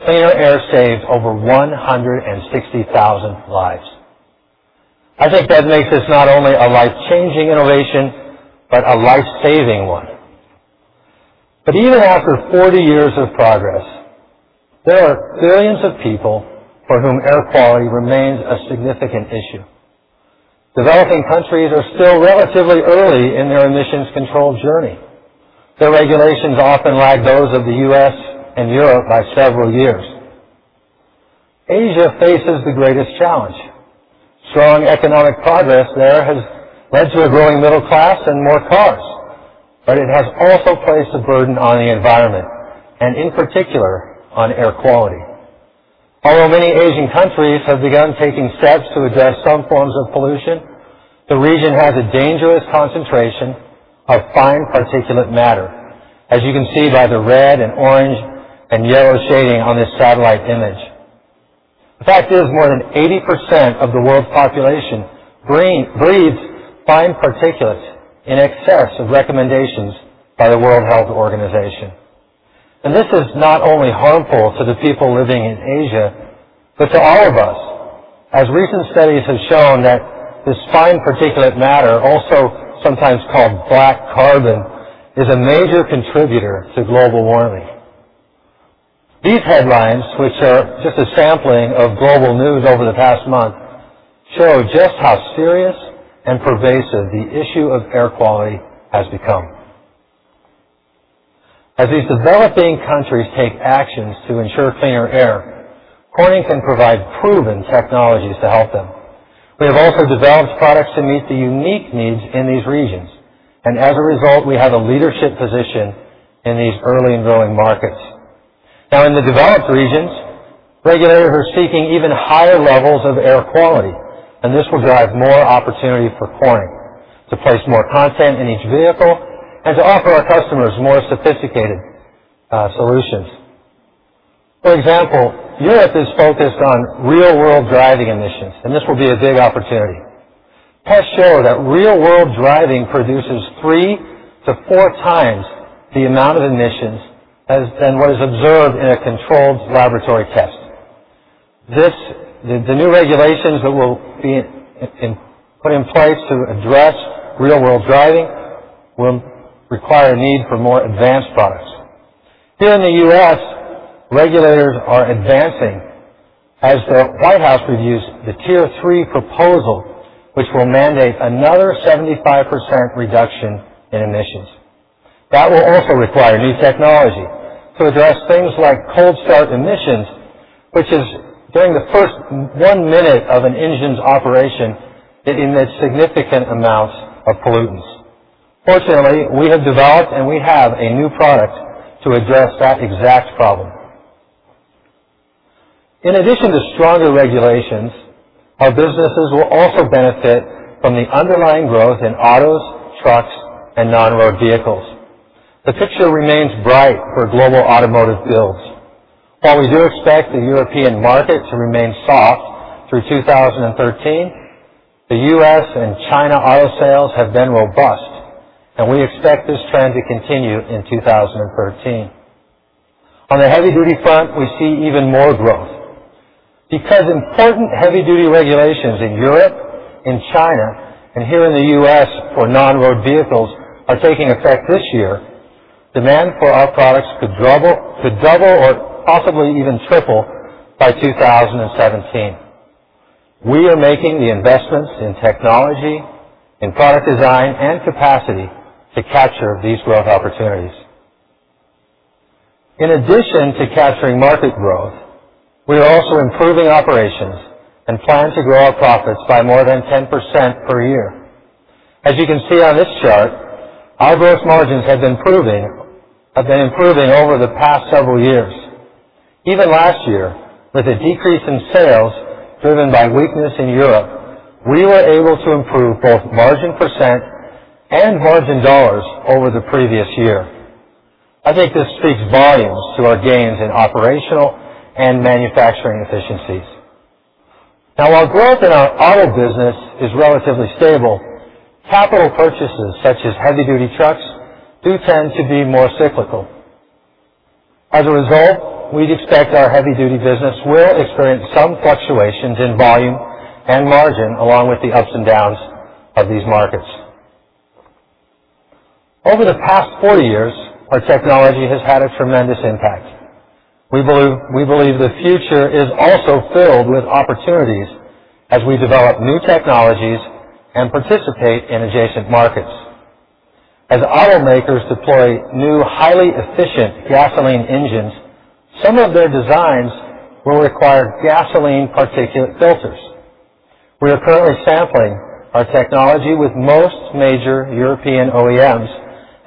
cleaner air saved over 160,000 lives. I think that makes this not only a life-changing innovation, but a life-saving one. Even after 40 years of progress, there are billions of people for whom air quality remains a significant issue. Developing countries are still relatively early in their emissions control journey. Their regulations often lag those of the U.S. and Europe by several years. Asia faces the greatest challenge. Strong economic progress there has led to a growing middle class and more cars, but it has also placed a burden on the environment, in particular, on air quality. Although many Asian countries have begun taking steps to address some forms of pollution, the region has a dangerous concentration of fine particulate matter, as you can see by the red and orange and yellow shading on this satellite image. The fact is, more than 80% of the world's population breathes fine particulates in excess of recommendations by the World Health Organization. This is not only harmful to the people living in Asia, but to all of us, as recent studies have shown that this fine particulate matter, also sometimes called black carbon, is a major contributor to global warming. These headlines, which are just a sampling of global news over the past month, show just how serious and pervasive the issue of air quality has become. As these developing countries take actions to ensure cleaner air, Corning can provide proven technologies to help them. We have also developed products to meet the unique needs in these regions, and as a result, we have a leadership position in these early and growing markets. Now in the developed regions, regulators are seeking even higher levels of air quality, and this will drive more opportunity for Corning to place more content in each vehicle and to offer our customers more sophisticated solutions. For example, Europe is focused on real-world driving emissions, and this will be a big opportunity. Tests show that real-world driving produces three to four times the amount of emissions than what is observed in a controlled laboratory test. The new regulations that will be put in place to address real-world driving will require a need for more advanced products. Here in the U.S., regulators are advancing as the White House reviews the Tier 3 proposal, which will mandate another 75% reduction in emissions. That will also require new technology to address things like cold start emissions, which is during the first one minute of an engine's operation, it emits significant amounts of pollutants. Fortunately, we have developed and we have a new product to address that exact problem. In addition to stronger regulations, our businesses will also benefit from the underlying growth in autos, trucks, and non-road vehicles. The picture remains bright for global automotive builds. While we do expect the European market to remain soft through 2013, the U.S. and China auto sales have been robust, and we expect this trend to continue in 2013. On the heavy-duty front, we see even more growth. Because important heavy-duty regulations in Europe, in China, and here in the U.S. for non-road vehicles are taking effect this year, demand for our products could double or possibly even triple by 2017. We are making the investments in technology, in product design, and capacity to capture these growth opportunities. In addition to capturing market growth, we are also improving operations and plan to grow our profits by more than 10% per year. As you can see on this chart, our gross margins have been improving over the past several years. Even last year, with a decrease in sales driven by weakness in Europe, we were able to improve both margin percent and margin dollars over the previous year. I think this speaks volumes to our gains in operational and manufacturing efficiencies. Now, while growth in our auto business is relatively stable, capital purchases, such as heavy-duty trucks, do tend to be more cyclical. As a result, we'd expect our heavy-duty business will experience some fluctuations in volume and margin, along with the ups and downs of these markets. Over the past 40 years, our technology has had a tremendous impact. We believe the future is also filled with opportunities as we develop new technologies and participate in adjacent markets. As automakers deploy new, highly efficient gasoline engines, some of their designs will require gasoline particulate filters. We are currently sampling our technology with most major European OEMs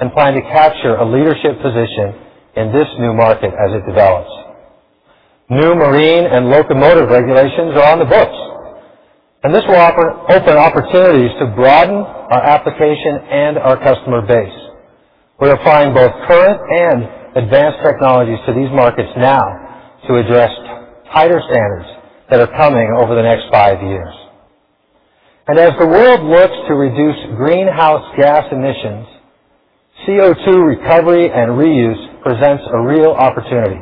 and plan to capture a leadership position in this new market as it develops. New marine and locomotive regulations are on the books, and this will open opportunities to broaden our application and our customer base. We are applying both current and advanced technologies to these markets now to address tighter standards that are coming over the next five years. As the world looks to reduce greenhouse gas emissions, CO2 recovery and reuse presents a real opportunity.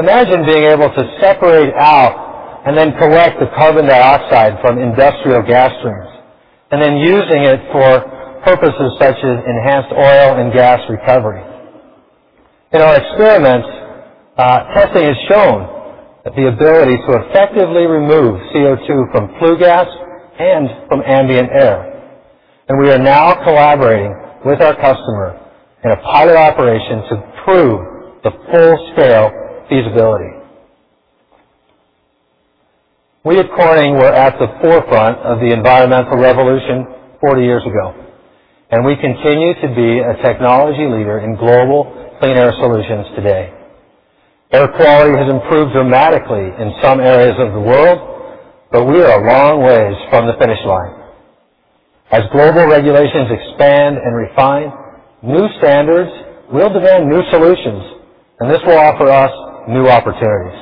Imagine being able to separate out and then collect the carbon dioxide from industrial gas streams, and then using it for purposes such as enhanced oil and gas recovery. In our experiments, testing has shown the ability to effectively remove CO2 from flue gas and from ambient air, and we are now collaborating with our customer in a pilot operation to prove the full-scale feasibility. We at Corning were at the forefront of the environmental revolution 40 years ago, and we continue to be a technology leader in global clean air solutions today. Air quality has improved dramatically in some areas of the world, but we are a long ways from the finish line. As global regulations expand and refine, new standards will demand new solutions, and this will offer us new opportunities.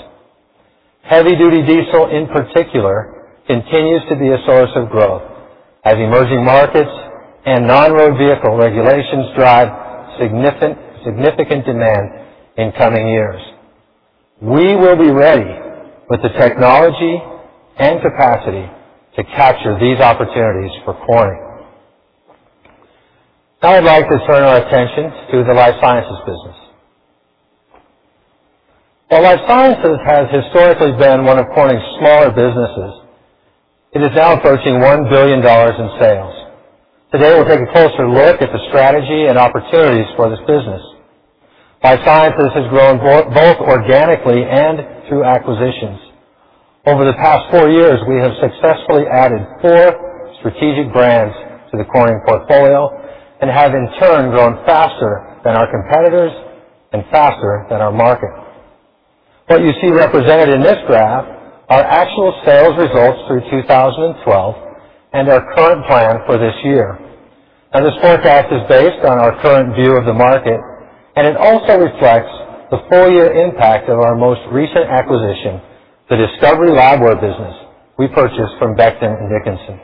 Heavy-duty diesel, in particular, continues to be a source of growth as emerging markets and non-road vehicle regulations drive significant demand in coming years. We will be ready with the technology and capacity to capture these opportunities for Corning. I'd like to turn our attention to the Corning Life Sciences business. While Corning Life Sciences has historically been one of Corning's smaller businesses, it is now approaching $1 billion in sales. Today, we'll take a closer look at the strategy and opportunities for this business. Corning Life Sciences has grown both organically and through acquisitions. Over the past four years, we have successfully added four strategic brands to the Corning portfolio and have, in turn, grown faster than our competitors and faster than our market. What you see represented in this graph are actual sales results through 2012 and our current plan for this year. This forecast is based on our current view of the market, and it also reflects the full-year impact of our most recent acquisition, the Discovery Labware business we purchased from Becton Dickinson.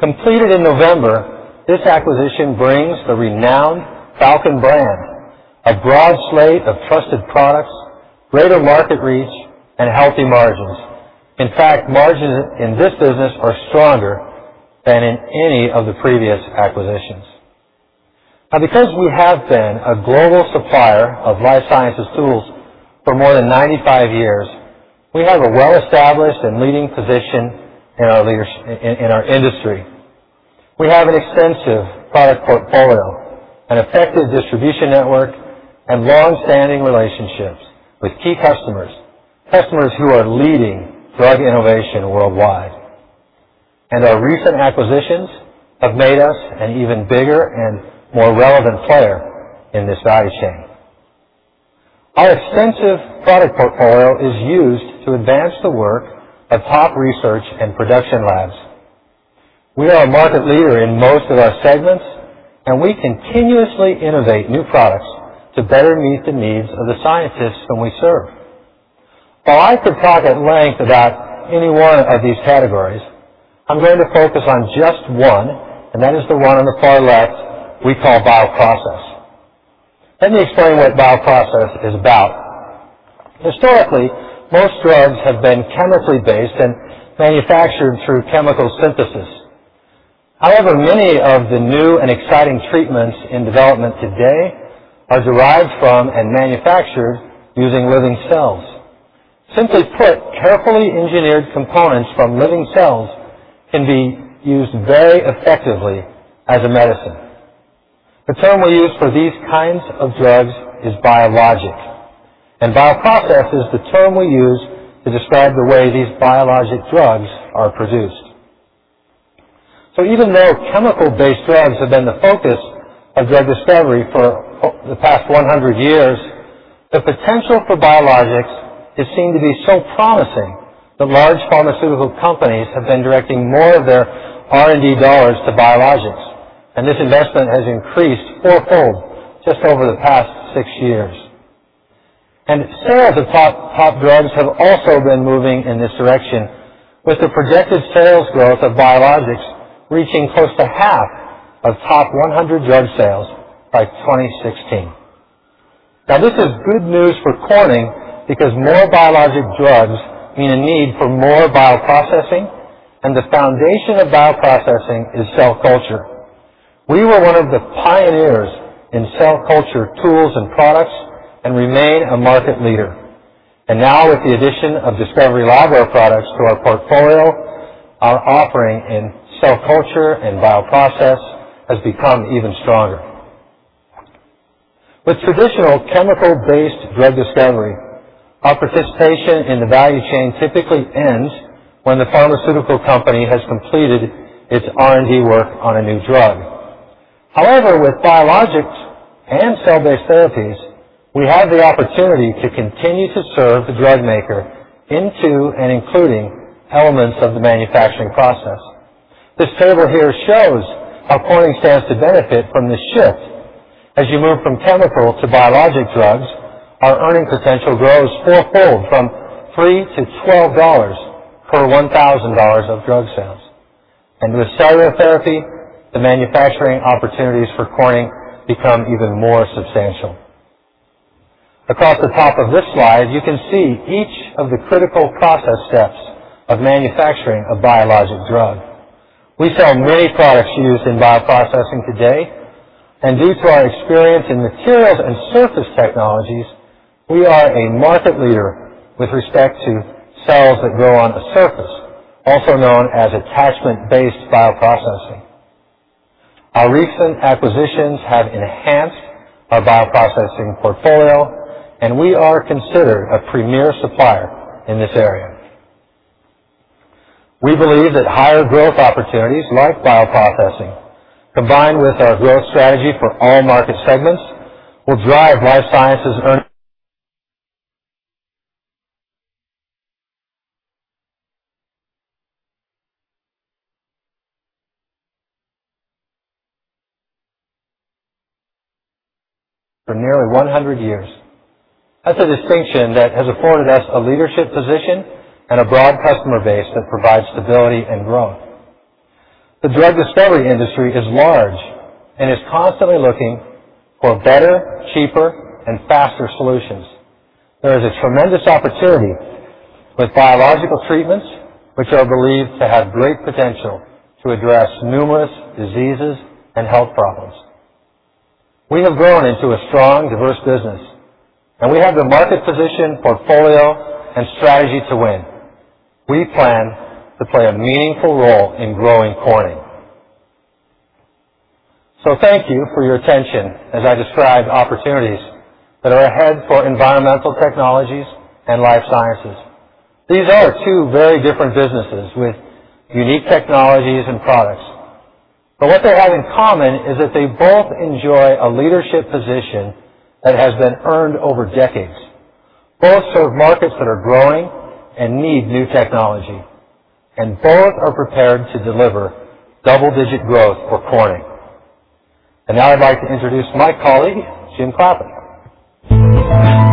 Completed in November, this acquisition brings the renowned Falcon brand, a broad slate of trusted products, greater market reach, and healthy margins. In fact, margins in this business are stronger than in any of the previous acquisitions. Because we have been a global supplier of life sciences tools for more than 95 years, we have a well-established and leading position in our industry. We have an extensive product portfolio, an effective distribution network, and long-standing relationships with key customers who are leading drug innovation worldwide. Our recent acquisitions have made us an even bigger and more relevant player in this value chain. Our extensive product portfolio is used to advance the work of top research and production labs. We are a market leader in most of our segments, and we continuously innovate new products to better meet the needs of the scientists whom we serve. While I could talk at length about any one of these categories, I am going to focus on just one, and that is the one on the far left we call bioprocess. Let me explain what bioprocess is about. Historically, most drugs have been chemically based and manufactured through chemical synthesis. However, many of the new and exciting treatments in development today are derived from and manufactured using living cells. Simply put, carefully engineered components from living cells can be used very effectively as a medicine. The term we use for these kinds of drugs is biologics, and bioprocess is the term we use to describe the way these biologic drugs are produced. Even though chemical-based drugs have been the focus of drug discovery for the past 100 years, the potential for biologics is seen to be so promising that large pharmaceutical companies have been directing more of their R&D dollars to biologics, and this investment has increased fourfold just over the past six years. Sales of top drugs have also been moving in this direction, with the projected sales growth of biologics reaching close to half of top 100 drug sales by 2016. This is good news for Corning because more biologic drugs mean a need for more bioprocessing, and the foundation of bioprocessing is cell culture. We were one of the pioneers in cell culture tools and products and remain a market leader. Now, with the addition of Discovery Labware products to our portfolio, our offering in cell culture and bioprocess has become even stronger. With traditional chemical-based drug discovery, our participation in the value chain typically ends when the pharmaceutical company has completed its R&D work on a new drug. However, with biologics and cell-based therapies, we have the opportunity to continue to serve the drug maker into and including elements of the manufacturing process. This table here shows how Corning stands to benefit from this shift. As you move from chemical to biologic drugs, our earning potential grows fourfold from 3 to $12 per $1,000 of drug sales. With cellular therapy, the manufacturing opportunities for Corning become even more substantial. Across the top of this slide, you can see each of the critical process steps of manufacturing a biologic drug. We sell many products used in bioprocessing today, and due to our experience in materials and surface technologies, we are a market leader with respect to cells that grow on a surface, also known as attachment-based bioprocessing. Our recent acquisitions have enhanced our bioprocessing portfolio, and we are considered a premier supplier in this area. We believe that higher growth opportunities like bioprocessing, combined with our growth strategy for all market segments, will drive Life Sciences. For nearly 100 years, that is a distinction that has afforded us a leadership position and a broad customer base that provides stability and growth. The drug discovery industry is large and is constantly looking for better, cheaper, and faster solutions. There is a tremendous opportunity with biological treatments, which are believed to have great potential to address numerous diseases and health problems. We have grown into a strong, diverse business, and we have the market position, portfolio, and strategy to win. We plan to play a meaningful role in growing Corning. Thank you for your attention as I describe opportunities that are ahead for Environmental Technologies and Corning Life Sciences. These are two very different businesses with unique technologies and products. What they have in common is that they both enjoy a leadership position that has been earned over decades, both serve markets that are growing and need new technology, and both are prepared to deliver double-digit growth for Corning. Now I'd like to introduce my colleague, Jim Clappin.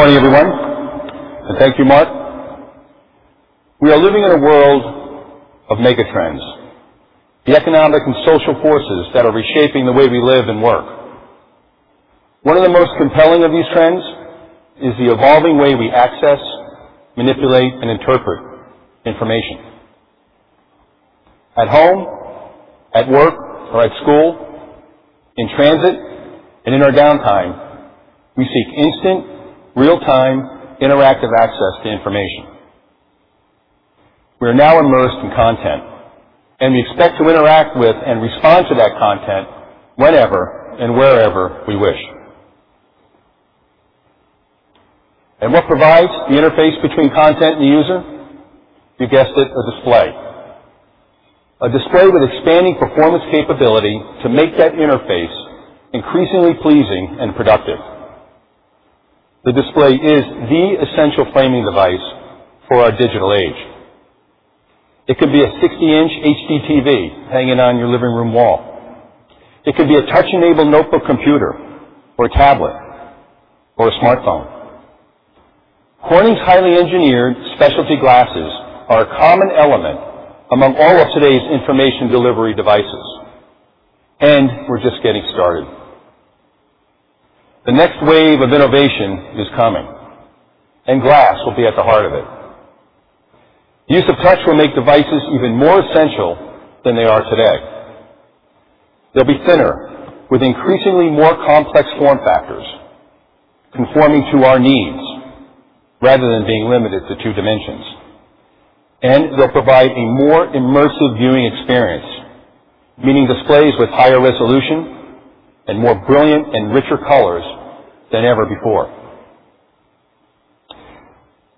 Good morning, everyone. Thank you, Mark. We are living in a world of mega trends, the economic and social forces that are reshaping the way we live and work. One of the most compelling of these trends is the evolving way we access, manipulate, and interpret information. At home, at work, or at school, in transit, and in our downtime, we seek instant, real-time, interactive access to information. We are now immersed in content, and we expect to interact with and respond to that content whenever and wherever we wish. What provides the interface between content and the user? You guessed it, a display. A display with expanding performance capability to make that interface increasingly pleasing and productive. The display is the essential framing device for our digital age. It could be a 60-inch HDTV hanging on your living room wall. It could be a touch-enabled notebook computer or a tablet or a smartphone. Corning's highly engineered specialty glasses are a common element among all of today's information delivery devices, and we're just getting started. The next wave of innovation is coming, and glass will be at the heart of it. The use of touch will make devices even more essential than they are today. They'll be thinner with increasingly more complex form factors conforming to our needs rather than being limited to two dimensions. They'll provide a more immersive viewing experience, meaning displays with higher resolution and more brilliant and richer colors than ever before.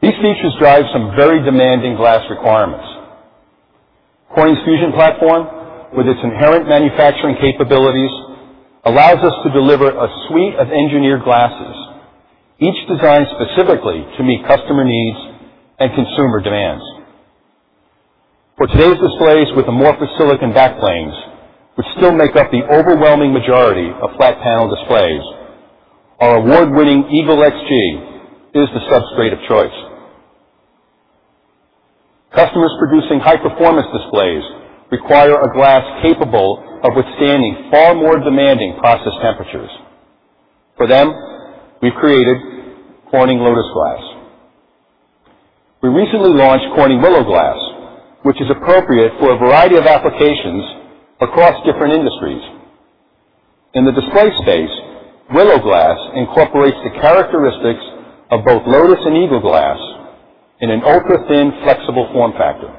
These features drive some very demanding glass requirements. Corning's Fusion platform, with its inherent manufacturing capabilities, allows us to deliver a suite of engineered glasses, each designed specifically to meet customer needs and consumer demands. For today's displays with amorphous silicon backplanes, which still make up the overwhelming majority of flat panel displays, our award-winning EAGLE XG is the substrate of choice. Customers producing high-performance displays require a glass capable of withstanding far more demanding process temperatures. For them, we've created Corning Lotus Glass. We recently launched Corning Willow Glass, which is appropriate for a variety of applications across different industries. In the display space, Willow Glass incorporates the characteristics of both Lotus Glass and EAGLE XG in an ultra-thin flexible form factor.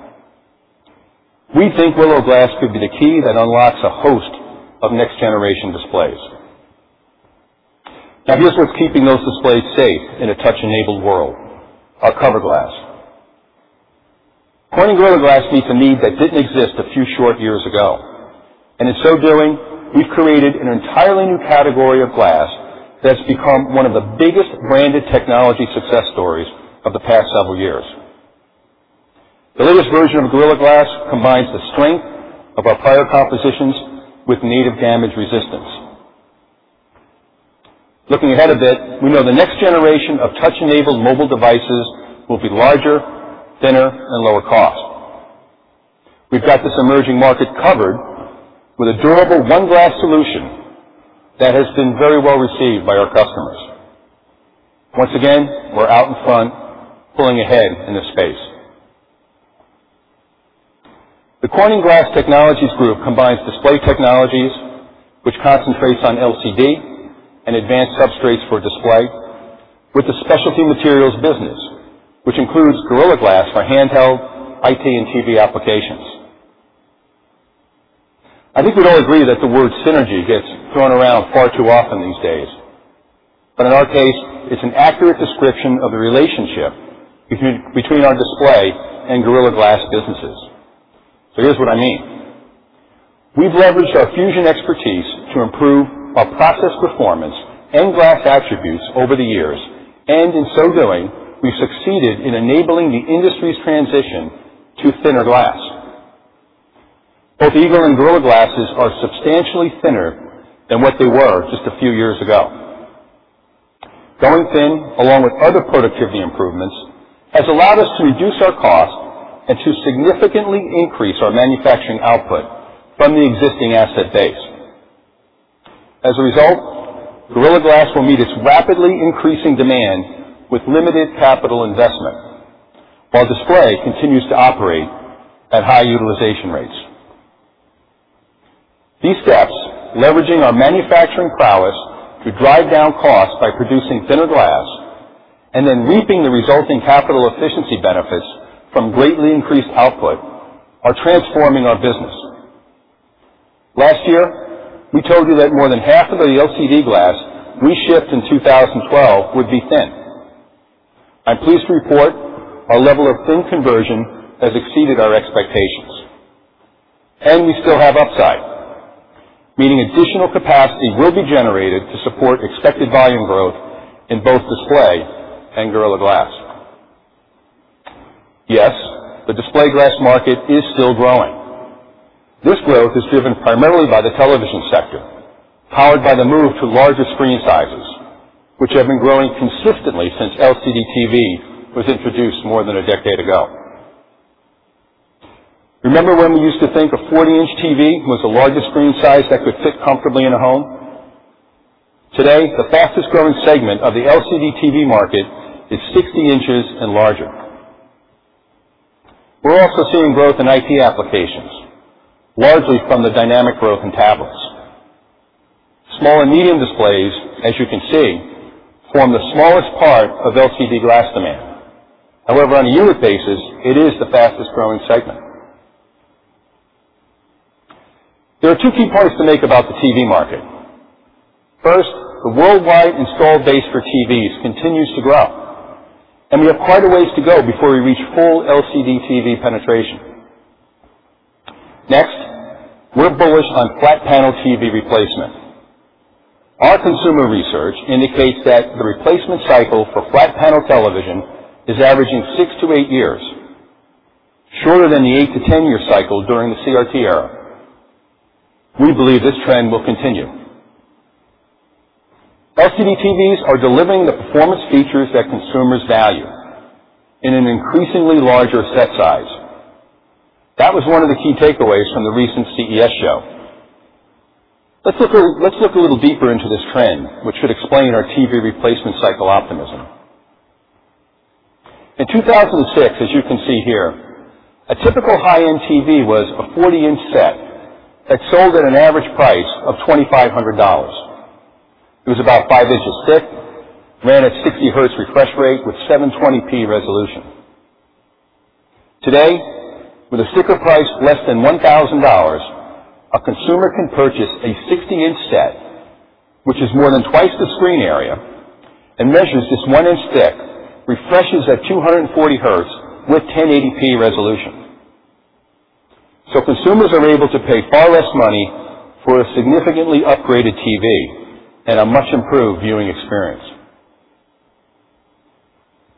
We think Willow Glass could be the key that unlocks a host of next-generation displays. Here's what's keeping those displays safe in a touch-enabled world: our cover glass. Corning Gorilla Glass meets a need that didn't exist a few short years ago. In so doing, we've created an entirely new category of glass that's become one of the biggest branded technology success stories of the past several years. The latest version of Gorilla Glass combines the strength of our prior compositions with native damage resistance. Looking ahead a bit, we know the next generation of touch-enabled mobile devices will be larger, thinner, and lower cost. We've got this emerging market covered with a durable one-glass solution that has been very well received by our customers. Once again, we're out in front pulling ahead in this space. The Corning Glass Technologies group combines Display Technologies which concentrates on LCD and advanced substrates for display with the Specialty Materials business which includes Gorilla Glass for handheld IT and TV applications. I think we'd all agree that the word synergy gets thrown around far too often these days. In our case, it's an accurate description of the relationship between our Display and Gorilla Glass businesses. Here's what I mean. We've leveraged our fusion expertise to improve our process performance and glass attributes over the years. In so doing, we've succeeded in enabling the industry's transition to thinner glass. Both EAGLE XG and Gorilla glasses are substantially thinner than what they were just a few years ago. Going thin, along with other productivity improvements, has allowed us to reduce our cost and to significantly increase our manufacturing output from the existing asset base. As a result, Gorilla Glass will meet its rapidly increasing demand with limited capital investment while Display continues to operate at high utilization rates. These steps, leveraging our manufacturing prowess to drive down costs by producing thinner glass then reaping the resulting capital efficiency benefits from greatly increased output are transforming our business. Last year, we told you that more than half of the LCD glass we shipped in 2012 would be thin. I'm pleased to report our level of thin conversion has exceeded our expectations. We still have upside, meaning additional capacity will be generated to support expected volume growth in both Display and Gorilla Glass. Yes, the Display glass market is still growing. This growth is driven primarily by the television sector, powered by the move to larger screen sizes, which have been growing consistently since LCD TV was introduced more than a decade ago. Remember when we used to think a 40-inch TV was the largest screen size that could fit comfortably in a home? Today, the fastest-growing segment of the LCD TV market is 60 inches and larger. We're also seeing growth in IT applications, largely from the dynamic growth in tablets. Small and medium displays, as you can see, form the smallest part of LCD glass demand. However, on a unit basis, it is the fastest-growing segment. There are two key points to make about the TV market. First, the worldwide installed base for TVs continues to grow. We have quite a ways to go before we reach full LCD TV penetration. Next, we're bullish on flat panel TV replacement. Our consumer research indicates that the replacement cycle for flat panel television is averaging 6-8 years, shorter than the 8-10-year cycle during the CRT era. We believe this trend will continue. LCD TVs are delivering the performance features that consumers value in an increasingly larger set size. That was one of the key takeaways from the recent CES show. Let's look a little deeper into this trend, which should explain our TV replacement cycle optimism. In 2006, as you can see here, a typical high-end TV was a 40-inch set that sold at an average price of $2,500. It was about five inches thick, ran at 60 hertz refresh rate with 720p resolution. Today, with a sticker price less than $1,000, a consumer can purchase a 60-inch set, which is more than twice the screen area and measures just one inch thick, refreshes at 240 hertz with 1080p resolution. Consumers are able to pay far less money for a significantly upgraded TV and a much-improved viewing experience.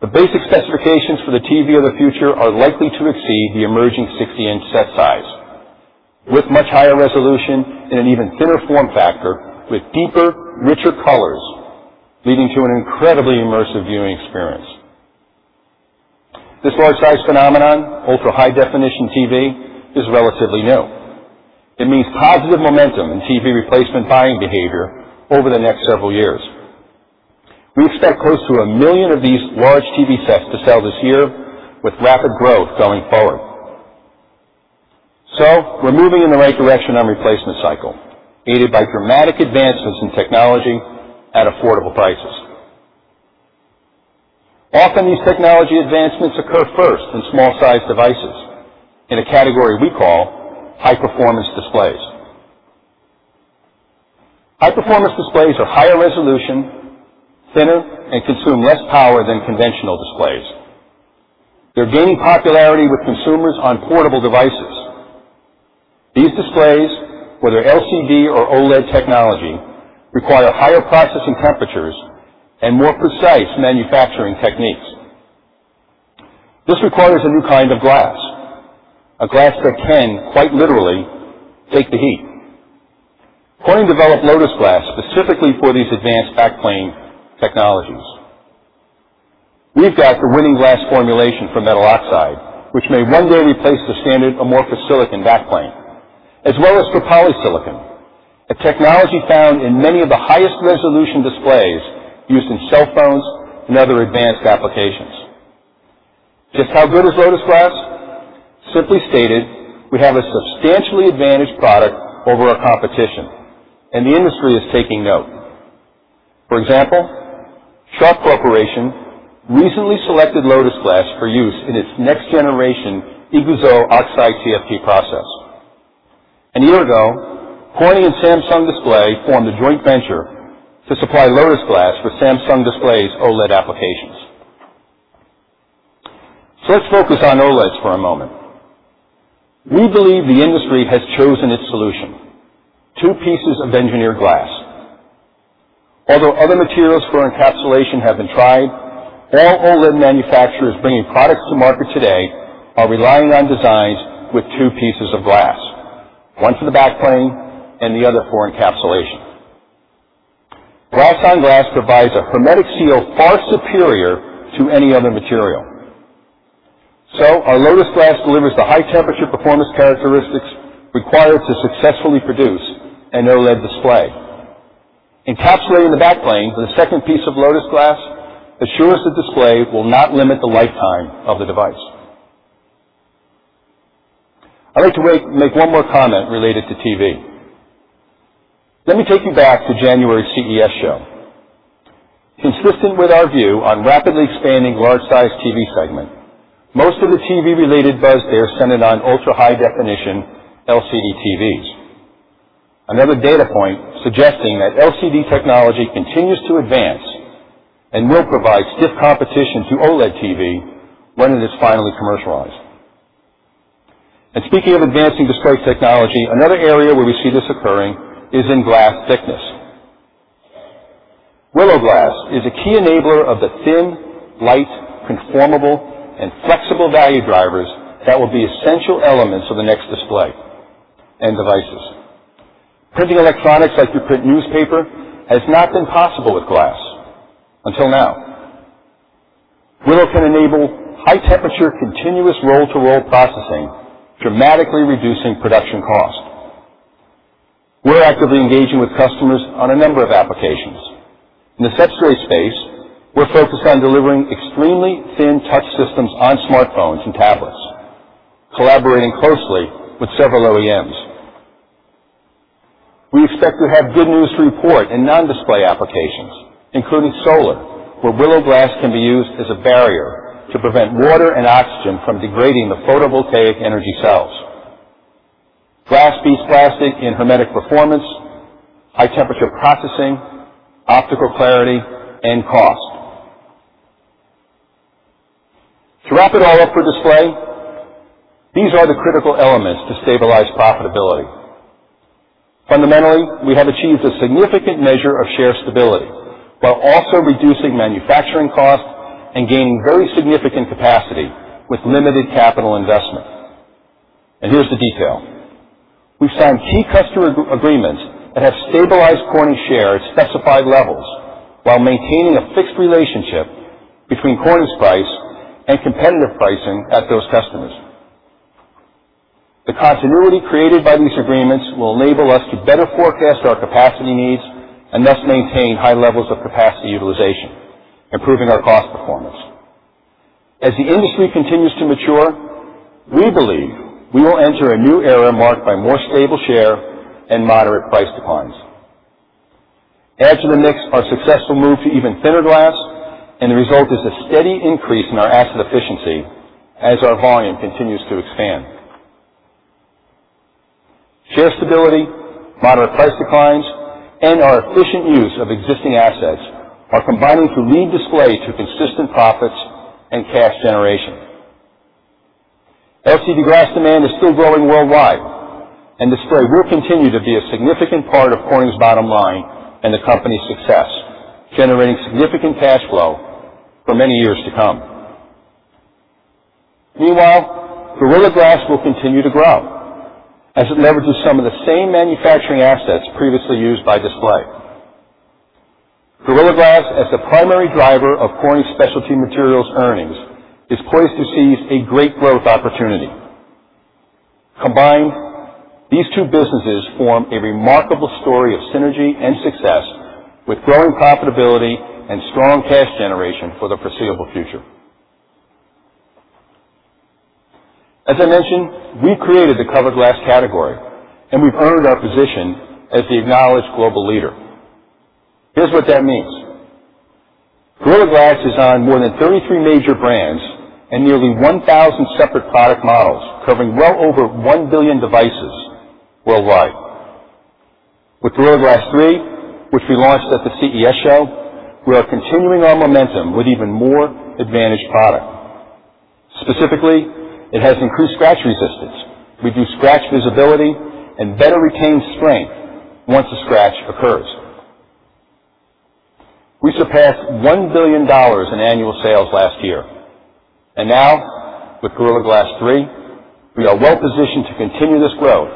The basic specifications for the TV of the future are likely to exceed the emerging 60-inch set size with much higher resolution and an even thinner form factor with deeper, richer colors, leading to an incredibly immersive viewing experience. This large size phenomenon, ultra-high definition TV, is relatively new. It means positive momentum in TV replacement buying behavior over the next several years. We expect close to 1 million of these large TV sets to sell this year with rapid growth going forward. We're moving in the right direction on replacement cycle, aided by dramatic advancements in technology at affordable prices. Often, these technology advancements occur first in small-sized devices in a category we call high-performance displays. High-performance displays are higher resolution, thinner, and consume less power than conventional displays. They're gaining popularity with consumers on portable devices. These displays, whether LCD or OLED technology, require higher processing temperatures and more precise manufacturing techniques. This requires a new kind of glass, a glass that can quite literally take the heat. Corning developed Lotus Glass specifically for these advanced backplane technologies. We've got the winning glass formulation for metal oxide, which may one day replace the standard amorphous silicon backplane, as well as for polysilicon, a technology found in many of the highest resolution displays used in cell phones and other advanced applications. Just how good is Lotus Glass? Simply stated, we have a substantially advantaged product over our competition, and the industry is taking note. For example, Sharp Corporation recently selected Lotus Glass for use in its next generation IGZO oxide TFT process. A year ago, Corning and Samsung Display formed a joint venture to supply Lotus Glass for Samsung Display's OLED applications. Let's focus on OLEDs for a moment. We believe the industry has chosen its solution: two pieces of engineered glass. Although other materials for encapsulation have been tried, all OLED manufacturers bringing products to market today are relying on designs with two pieces of glass, one for the backplane and the other for encapsulation. Glass-on-glass provides a hermetic seal far superior to any other material. Our Lotus Glass delivers the high-temperature performance characteristics required to successfully produce an OLED display. Encapsulating the backplane with a second piece of Lotus Glass assures the display will not limit the lifetime of the device. I'd like to make one more comment related to TV. Let me take you back to January CES show. Consistent with our view on rapidly expanding large-sized TV segment, most of the TV-related buzz there centered on ultra-high definition LCD TVs. Another data point suggesting that LCD technology continues to advance and will provide stiff competition to OLED TV when it is finally commercialized. Speaking of advancing display technology, another area where we see this occurring is in glass thickness. Willow Glass is a key enabler of the thin, light, conformable, and flexible value drivers that will be essential elements of the next display end devices. Printing electronics like you print newspaper has not been possible with glass until now. Willow can enable high-temperature continuous roll-to-roll processing, dramatically reducing production cost. We're actively engaging with customers on a number of applications. In the touch screen space, we're focused on delivering extremely thin touch systems on smartphones and tablets, collaborating closely with several OEMs. We expect to have good news to report in non-display applications, including solar, where Willow Glass can be used as a barrier to prevent water and oxygen from degrading the photovoltaic energy cells. Glass beats plastic in hermetic performance, high-temperature processing, optical clarity, and cost. To wrap it all up for display, these are the critical elements to stabilize profitability. Fundamentally, we have achieved a significant measure of share stability while also reducing manufacturing costs and gaining very significant capacity with limited capital investment. Here's the detail. We've signed key customer agreements that have stabilized Corning share at specified levels while maintaining a fixed relationship between Corning's price and competitive pricing at those customers. The continuity created by these agreements will enable us to better forecast our capacity needs and thus maintain high levels of capacity utilization, improving our cost performance. As the industry continues to mature, we believe we will enter a new era marked by more stable share and moderate price declines. Add to the mix our successful move to even thinner glass, and the result is a steady increase in our asset efficiency as our volume continues to expand. Share stability, moderate price declines, and our efficient use of existing assets are combining to lead display to consistent profits and cash generation. LCD glass demand is still growing worldwide, and display will continue to be a significant part of Corning's bottom line and the company's success, generating significant cash flow for many years to come. Meanwhile, Gorilla Glass will continue to grow as it leverages some of the same manufacturing assets previously used by display. Gorilla Glass, as the primary driver of Corning Specialty Materials earnings, is poised to seize a great growth opportunity. Combined, these two businesses form a remarkable story of synergy and success with growing profitability and strong cash generation for the foreseeable future. As I mentioned, we created the cover glass category, and we've earned our position as the acknowledged global leader. Here's what that means. Gorilla Glass is on more than 33 major brands and nearly 1,000 separate product models, covering well over 1 billion devices worldwide. With Gorilla Glass 3, which we launched at the CES show, we are continuing our momentum with even more advantaged product. Specifically, it has increased scratch resistance, reduced scratch visibility, and better retains strength once a scratch occurs. We surpassed $1 billion in annual sales last year, and now with Gorilla Glass 3, we are well positioned to continue this growth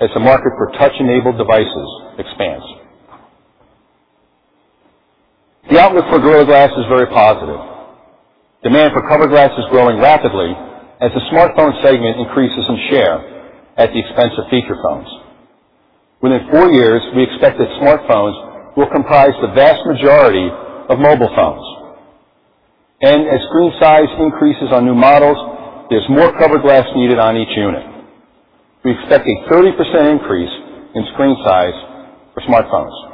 as the market for touch-enabled devices expands. The outlook for Gorilla Glass is very positive. Demand for cover glass is growing rapidly as the smartphone segment increases in share at the expense of feature phones. Within four years, we expect that smartphones will comprise the vast majority of mobile phones. As screen size increases on new models, there is more cover glass needed on each unit. We expect a 30% increase in screen size for smartphones.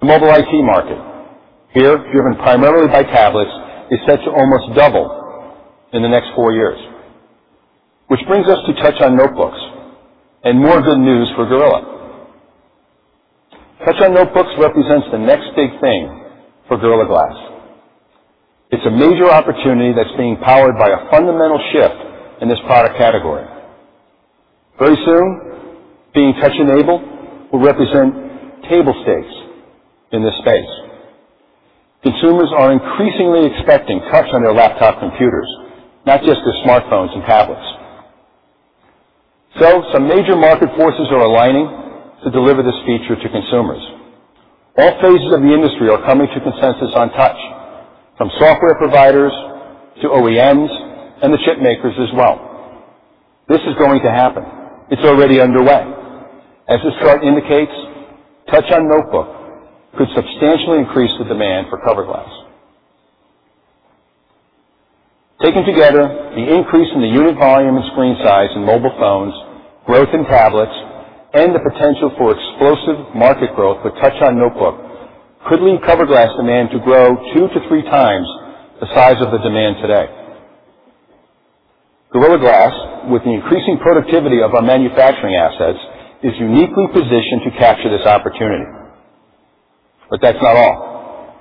The mobile IT market, here driven primarily by tablets, is set to almost double in the next four years, which brings us to touch on notebooks and more good news for Gorilla. Touch on notebooks represents the next big thing for Gorilla Glass. It is a major opportunity that is being powered by a fundamental shift in this product category. Very soon, being touch-enabled will represent table stakes in this space. Consumers are increasingly expecting touch on their laptop computers, not just their smartphones and tablets. Some major market forces are aligning to deliver this feature to consumers. All phases of the industry are coming to consensus on touch, from software providers to OEMs and the chip makers as well. This is going to happen. It is already underway. As this chart indicates, touch on notebook could substantially increase the demand for cover glass. Taken together, the increase in the unit volume and screen size in mobile phones, growth in tablets, and the potential for explosive market growth for touch on notebook could lead cover glass demand to grow two to three times the size of the demand today Gorilla Glass, with the increasing productivity of our manufacturing assets, is uniquely positioned to capture this opportunity. That is not all.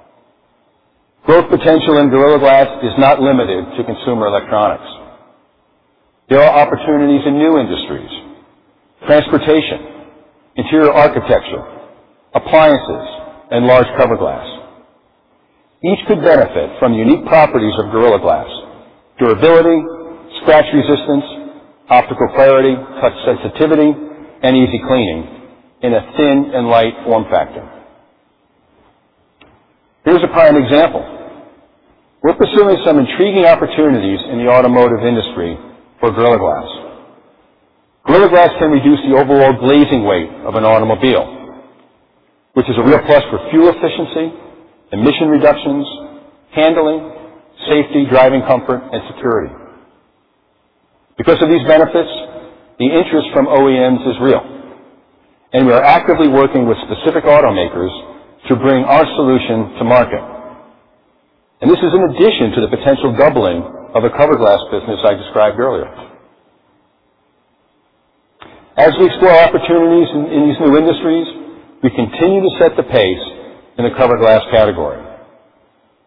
Growth potential in Gorilla Glass is not limited to consumer electronics. There are opportunities in new industries, transportation, interior architecture, appliances, and large cover glass. Each could benefit from the unique properties of Gorilla Glass: durability, scratch resistance, optical clarity, touch sensitivity, and easy cleaning in a thin and light form factor. Here is a prime example. We are pursuing some intriguing opportunities in the automotive industry for Gorilla Glass. Gorilla Glass can reduce the overall glazing weight of an automobile, which is a real plus for fuel efficiency, emission reductions, handling, safety, driving comfort, and security. Because of these benefits, the interest from OEMs is real, and we are actively working with specific automakers to bring our solution to market. This is in addition to the potential doubling of the cover glass business I described earlier. As we explore opportunities in these new industries, we continue to set the pace in the cover glass category.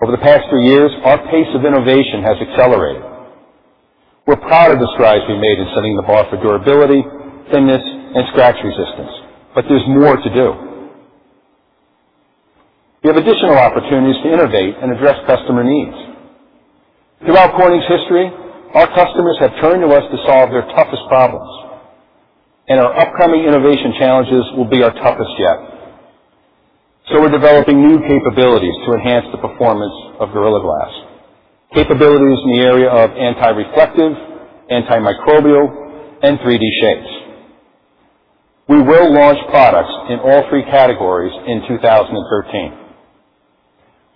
Over the past three years, our pace of innovation has accelerated. We are proud of the strides we made in setting the bar for durability, thinness, and scratch resistance, there is more to do. We have additional opportunities to innovate and address customer needs. Throughout Corning's history, our customers have turned to us to solve their toughest problems, our upcoming innovation challenges will be our toughest yet. We are developing new capabilities to enhance the performance of Gorilla Glass, capabilities in the area of anti-reflective, antimicrobial, and 3D shapes. We will launch products in all 3 categories in 2013.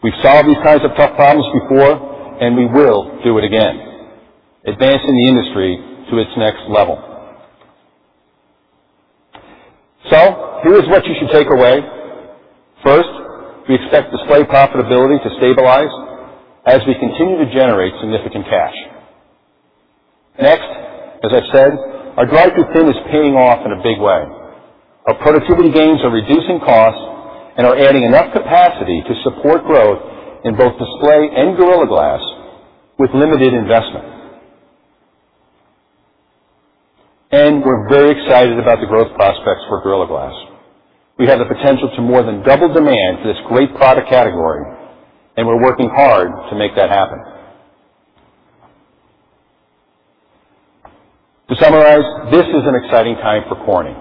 We have solved these kinds of tough problems before, we will do it again, advancing the industry to its next level. Here is what you should take away. First, we expect display profitability to stabilize as we continue to generate significant cash. Next, as I said, our drive to thin is paying off in a big way. Our productivity gains are reducing costs and are adding enough capacity to support growth in both display and Gorilla Glass with limited investment. We're very excited about the growth prospects for Gorilla Glass. We have the potential to more than double demand for this great product category, and we're working hard to make that happen. To summarize, this is an exciting time for Corning.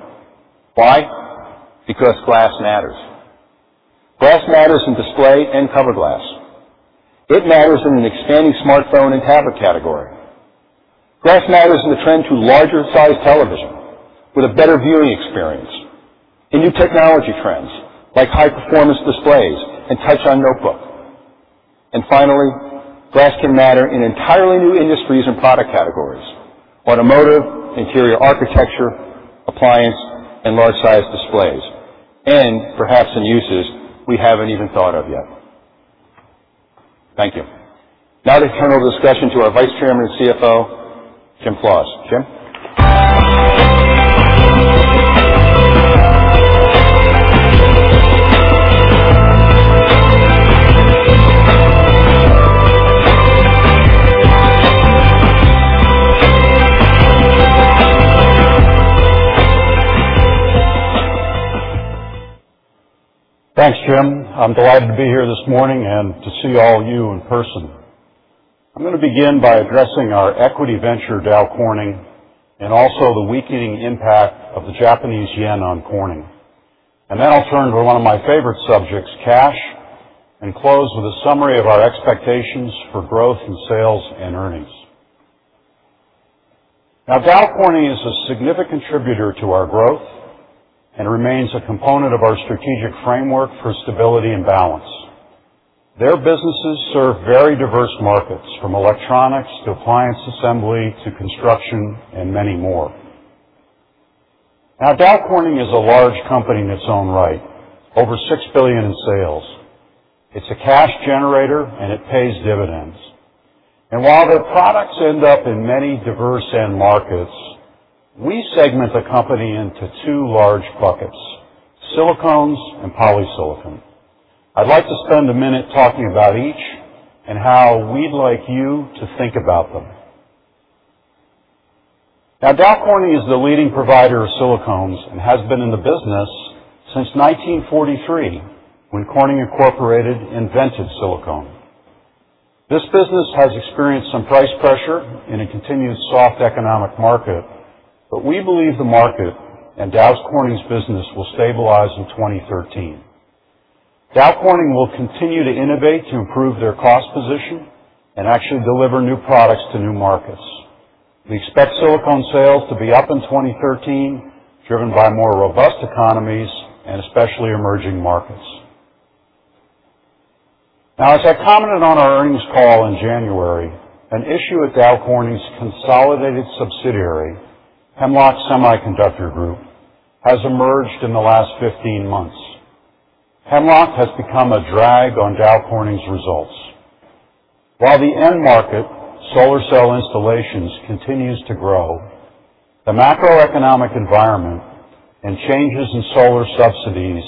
Why? Because glass matters. Glass matters in display and cover glass. It matters in an expanding smartphone and tablet category. Glass matters in the trend to larger-sized television with a better viewing experience and new technology trends like high-performance displays and touch on notebook. Finally, glass can matter in entirely new industries and product categories, automotive, interior architecture, appliance, and large-sized displays, and perhaps in uses we haven't even thought of yet. Thank you. Now to turn the discussion to our Vice Chairman and CFO, Jim Flaws. Jim? Thanks, Jim. I'm delighted to be here this morning and to see all you in person. I'm going to begin by addressing our equity venture, Dow Corning, and also the weakening impact of the Japanese yen on Corning. Then I'll turn to one of my favorite subjects, cash, and close with a summary of our expectations for growth in sales and earnings. Dow Corning is a significant contributor to our growth and remains a component of our strategic framework for stability and balance. Their businesses serve very diverse markets, from electronics to appliance assembly to construction and many more. Dow Corning is a large company in its own right, over $6 billion in sales. It's a cash generator, and it pays dividends. While their products end up in many diverse end markets, we segment the company into two large buckets, silicones and polysilicon. I'd like to spend a minute talking about each and how we'd like you to think about them. Dow Corning is the leading provider of silicones and has been in the business since 1943, when Corning Incorporated invented silicone. This business has experienced some price pressure in a continued soft economic market, but we believe the market and Dow Corning's business will stabilize in 2013. Dow Corning will continue to innovate to improve their cost position and actually deliver new products to new markets. We expect silicone sales to be up in 2013, driven by more robust economies and especially emerging markets. As I commented on our earnings call in January, an issue at Dow Corning's consolidated subsidiary, Hemlock Semiconductor Group, has emerged in the last 15 months. Hemlock has become a drag on Dow Corning's results. While the end market, solar cell installations, continues to grow, the macroeconomic environment and changes in solar subsidies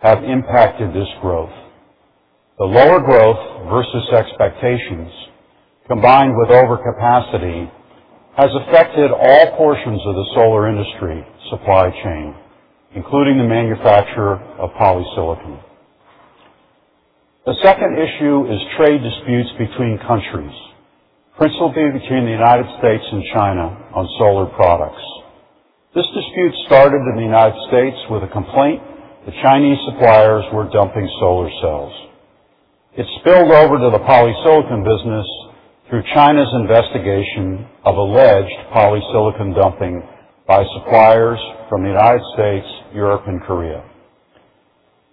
have impacted this growth. The lower growth versus expectations, combined with overcapacity, has affected all portions of the solar industry supply chain, including the manufacture of polysilicon. The second issue is trade disputes between countries, principally between the U.S. and China on solar products. This dispute started in the U.S. with a complaint that Chinese suppliers were dumping solar cells. It spilled over to the polysilicon business through China's investigation of alleged polysilicon dumping by suppliers from the U.S., Europe, and Korea.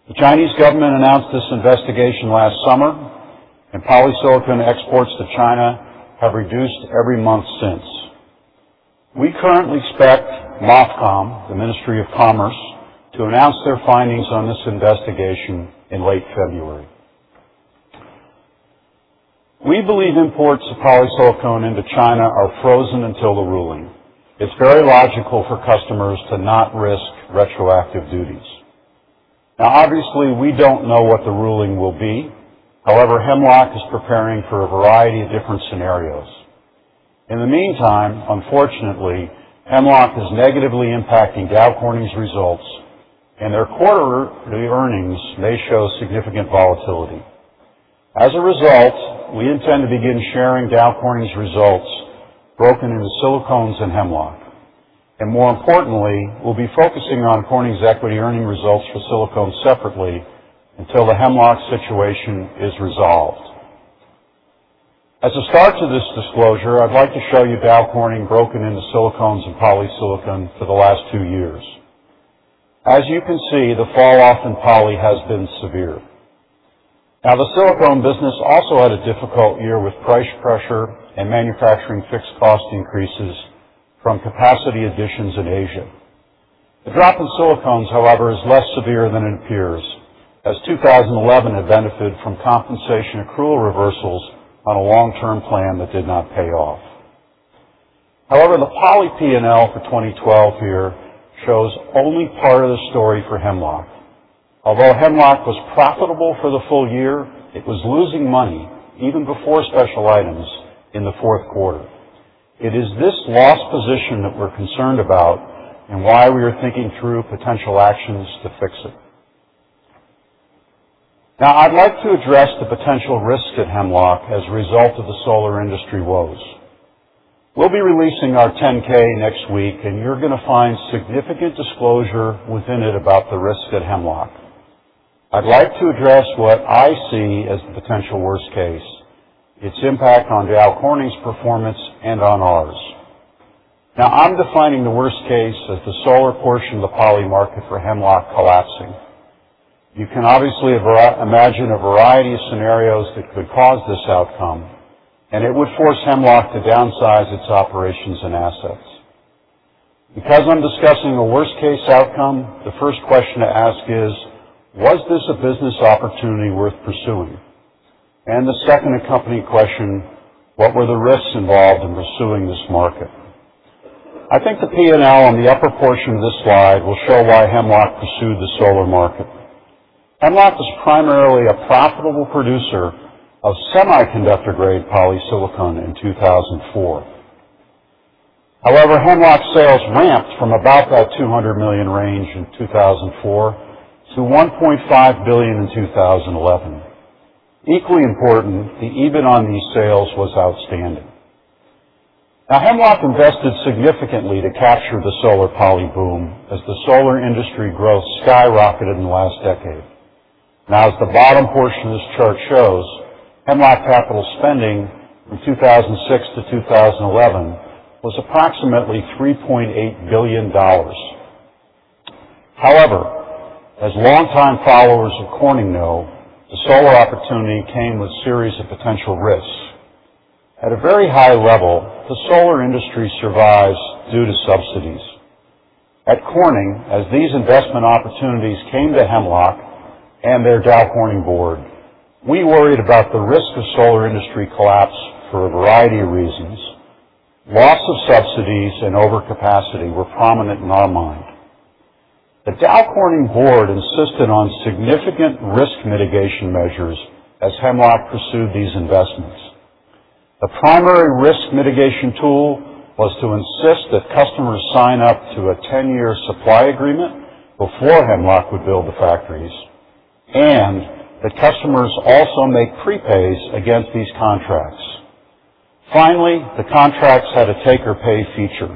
The Chinese government announced this investigation last summer, and polysilicon exports to China have reduced every month since. We currently expect MOFCOM, the Ministry of Commerce, to announce their findings on this investigation in late February. We believe imports of polysilicon into China are frozen until the ruling. It's very logical for customers to not risk retroactive duties. Obviously, we don't know what the ruling will be. However, Hemlock is preparing for a variety of different scenarios. In the meantime, unfortunately, Hemlock is negatively impacting Dow Corning's results, and their quarterly earnings may show significant volatility. As a result, we intend to begin sharing Dow Corning's results broken into silicones and Hemlock. More importantly, we'll be focusing on Corning's equity earning results for silicone separately until the Hemlock situation is resolved. As a start to this disclosure, I'd like to show you Dow Corning broken into silicones and polysilicon for the last two years. As you can see, the falloff in poly has been severe. The silicone business also had a difficult year with price pressure and manufacturing fixed cost increases from capacity additions in Asia. The drop in silicones, however, is less severe than it appears, as 2011 had benefited from compensation accrual reversals on a long-term plan that did not pay off. However, the poly P&L for 2012 here shows only part of the story for Hemlock. Although Hemlock was profitable for the full year, it was losing money even before special items in the fourth quarter. It is this lost position that we're concerned about and why we are thinking through potential actions to fix it. I'd like to address the potential risks at Hemlock as a result of the solar industry woes. We'll be releasing our 10-K next week, you're going to find significant disclosure within it about the risks at Hemlock. I'd like to address what I see as the potential worst case, its impact on Dow Corning's performance and on ours. I'm defining the worst case as the solar portion of the poly market for Hemlock collapsing. You can obviously imagine a variety of scenarios that could cause this outcome, it would force Hemlock to downsize its operations and assets. Because I'm discussing the worst case outcome, the first question to ask is: Was this a business opportunity worth pursuing? The second accompanying question: What were the risks involved in pursuing this market? I think the P&L on the upper portion of this slide will show why Hemlock pursued the solar market. Hemlock was primarily a profitable producer of semiconductor-grade polysilicon in 2004. However, Hemlock sales ramped from about that $200 million range in 2004 to $1.5 billion in 2011. Equally important, the EBIT on these sales was outstanding. Hemlock invested significantly to capture the solar poly boom as the solar industry growth skyrocketed in the last decade. As the bottom portion of this chart shows, Hemlock capital spending from 2006 to 2011 was approximately $3.8 billion. However, as longtime followers of Corning know, the solar opportunity came with series of potential risks. At a very high level, the solar industry survives due to subsidies. At Corning, as these investment opportunities came to Hemlock and their Dow Corning board, we worried about the risk of solar industry collapse for a variety of reasons. Loss of subsidies and overcapacity were prominent in our mind. The Dow Corning board insisted on significant risk mitigation measures as Hemlock pursued these investments. The primary risk mitigation tool was to insist that customers sign up to a 10-year supply agreement before Hemlock would build the factories, and the customers also make prepays against these contracts. Finally, the contracts had a take-or-pay feature.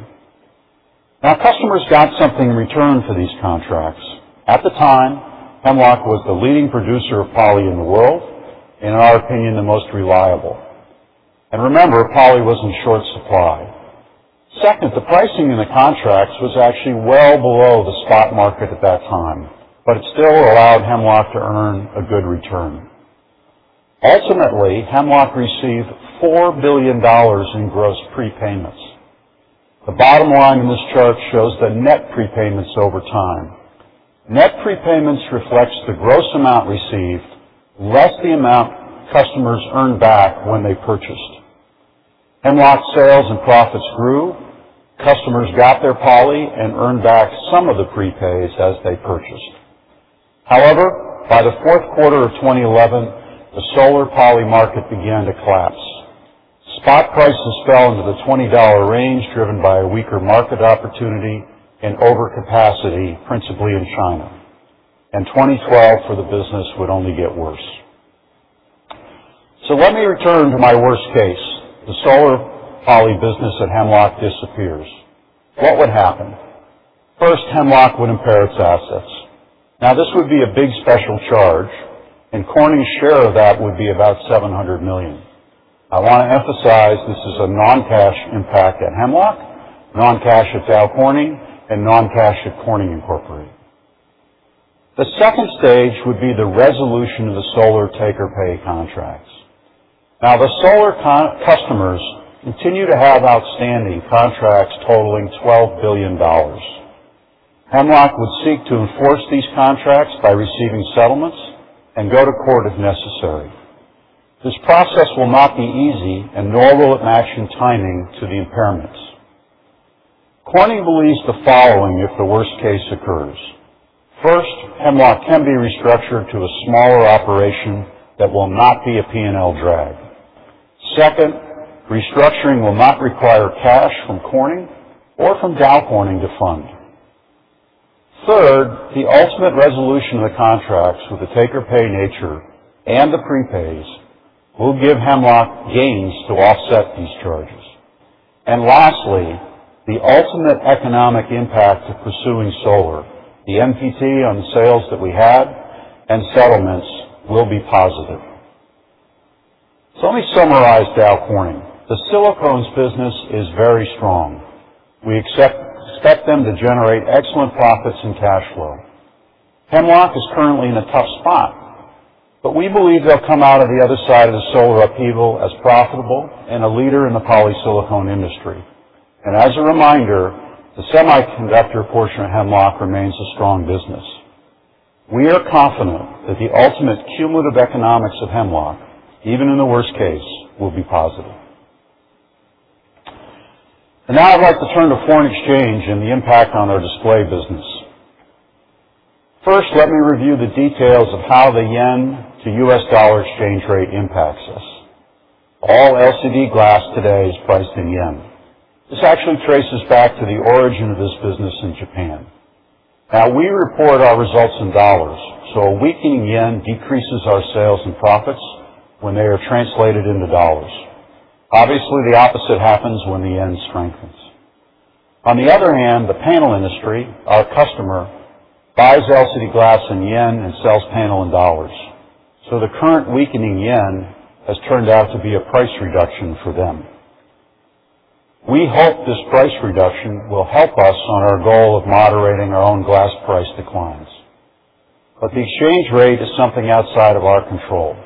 Customers got something in return for these contracts. At the time, Hemlock was the leading producer of poly in the world, in our opinion, the most reliable. Remember, poly was in short supply. Second, the pricing in the contracts was actually well below the spot market at that time, but it still allowed Hemlock to earn a good return. Ultimately, Hemlock received $4 billion in gross prepayments. The bottom line in this chart shows the net prepayments over time. Net prepayments reflects the gross amount received, less the amount customers earned back when they purchased. Hemlock sales and profits grew. Customers got their poly and earned back some of the prepays as they purchased. However, by the fourth quarter of 2011, the solar poly market began to collapse. Spot prices fell into the $20 range, driven by a weaker market opportunity and overcapacity, principally in China. 2012 for the business would only get worse. Let me return to my worst case. The solar poly business at Hemlock disappears. What would happen? First, Hemlock would impair its assets. This would be a big special charge, and Corning's share of that would be about $700 million. I want to emphasize this is a non-cash impact at Hemlock, non-cash at Dow Corning, and non-cash at Corning Incorporated. The second stage would be the resolution of the solar take-or-pay contracts. The solar customers continue to have outstanding contracts totaling $12 billion. Hemlock would seek to enforce these contracts by receiving settlements and go to court if necessary. This process will not be easy, nor will it match in timing to the impairments. Corning believes the following if the worst case occurs. First, Hemlock can be restructured to a smaller operation that will not be a P&L drag. Second, restructuring will not require cash from Corning or from Dow Corning to fund. Third, the ultimate resolution of the contracts with the take-or-pay nature and the prepays will give Hemlock gains to offset these charges. Lastly, the ultimate economic impact of pursuing solar, the NPV on the sales that we had, and settlements will be positive. Let me summarize Dow Corning. The silicones business is very strong. We expect them to generate excellent profits and cash flow. Hemlock is currently in a tough spot, but we believe they'll come out of the other side of the solar upheaval as profitable and a leader in the polysilicon industry. As a reminder, the semiconductor portion of Hemlock remains a strong business. We are confident that the ultimate cumulative economics of Hemlock, even in the worst case, will be positive. Now I'd like to turn to foreign exchange and the impact on our display business. Let me review the details of how the yen to US dollar exchange rate impacts us. All LCD glass today is priced in yen. This actually traces back to the origin of this business in Japan. We report our results in dollars, so a weakening yen decreases our sales and profits when they are translated into dollars. The opposite happens when the yen strengthens. On the other hand, the panel industry, our customer, buys LCD glass in yen and sells panel in dollars. The current weakening yen has turned out to be a price reduction for them. We hope this price reduction will help us on our goal of moderating our own glass price declines. The exchange rate is something outside of our control.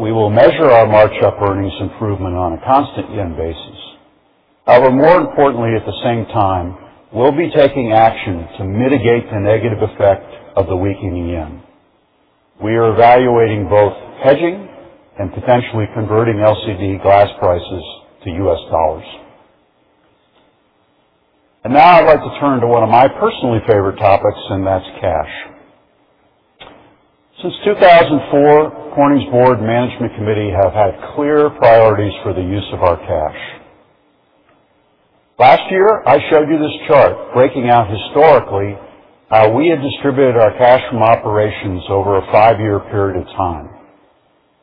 We will measure our markup earnings improvement on a constant yen basis. More importantly, at the same time, we'll be taking action to mitigate the negative effect of the weakening yen. We are evaluating both hedging and potentially converting LCD glass prices to US dollars. Now I'd like to turn to one of my personally favorite topics, and that's cash. Since 2004, Corning's board management committee have had clear priorities for the use of our cash. Last year, I showed you this chart breaking out historically how we had distributed our cash from operations over a five-year period of time.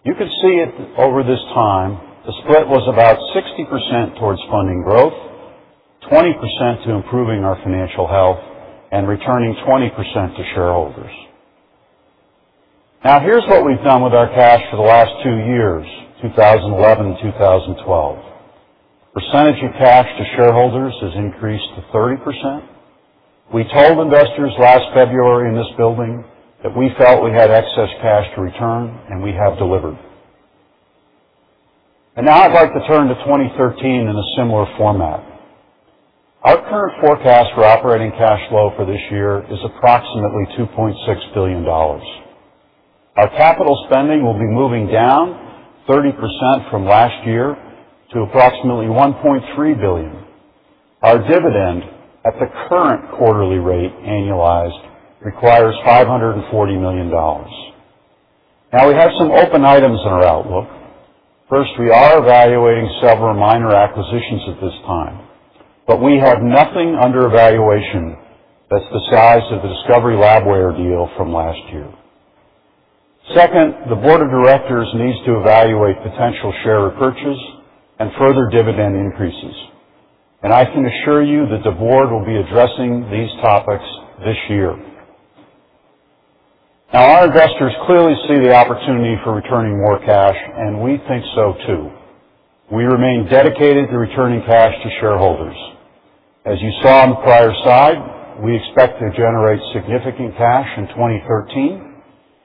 You can see it over this time, the split was about 60% towards funding growth, 20% to improving our financial health, and returning 20% to shareholders. Here's what we've done with our cash for the last two years, 2011 and 2012. Percentage of cash to shareholders has increased to 30%. We told investors last February in this building that we felt we had excess cash to return, and we have delivered. Now I'd like to turn to 2013 in a similar format. Our current forecast for operating cash flow for this year is approximately $2.6 billion. Our capital spending will be moving down 30% from last year to approximately $1.3 billion. Our dividend at the current quarterly rate annualized requires $540 million. We have some open items in our outlook. We are evaluating several minor acquisitions at this time, but we have nothing under evaluation that's the size of the Discovery Labware deal from last year. The board of directors needs to evaluate potential share repurchase and further dividend increases. I can assure you that the board will be addressing these topics this year. Our investors clearly see the opportunity for returning more cash, and we think so too. We remain dedicated to returning cash to shareholders. As you saw on the prior slide, we expect to generate significant cash in 2013,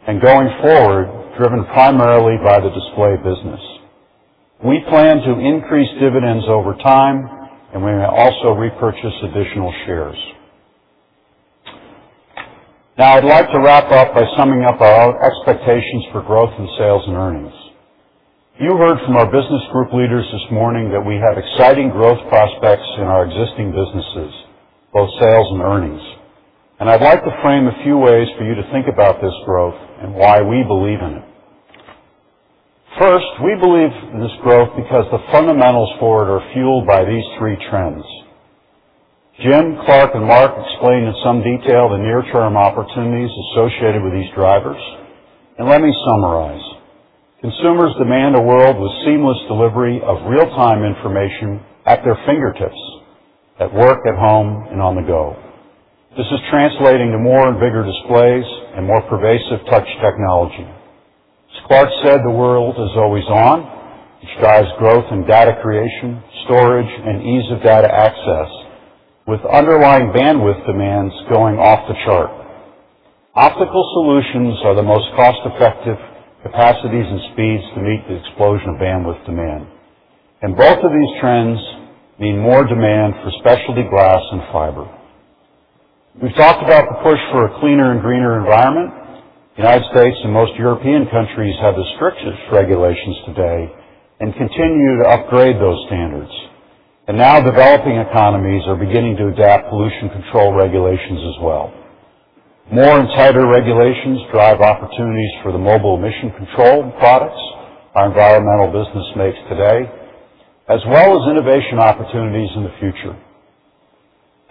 and going forward, driven primarily by the display business. We plan to increase dividends over time, and we may also repurchase additional shares. I'd like to wrap up by summing up our expectations for growth in sales and earnings. You heard from our business group leaders this morning that we have exciting growth prospects in our existing businesses, both sales and earnings. I'd like to frame a few ways for you to think about this growth and why we believe in it. First, we believe in this growth because the fundamentals for it are fueled by these three trends. Jim, Clark, and Mark explained in some detail the near-term opportunities associated with these drivers, let me summarize. Consumers demand a world with seamless delivery of real-time information at their fingertips, at work, at home, and on the go. This is translating to more and bigger displays and more pervasive touch technology. As Clark said, the world is always on, which drives growth in data creation, storage, and ease of data access, with underlying bandwidth demands going off the chart. Optical solutions are the most cost-effective capacities and speeds to meet the explosion of bandwidth demand. Both of these trends mean more demand for specialty glass and fiber. We've talked about the push for a cleaner and greener environment. The U.S. and most European countries have the strictest regulations today and continue to upgrade those standards. Now developing economies are beginning to adapt pollution control regulations as well. More and tighter regulations drive opportunities for the mobile emission control products our environmental business makes today, as well as innovation opportunities in the future.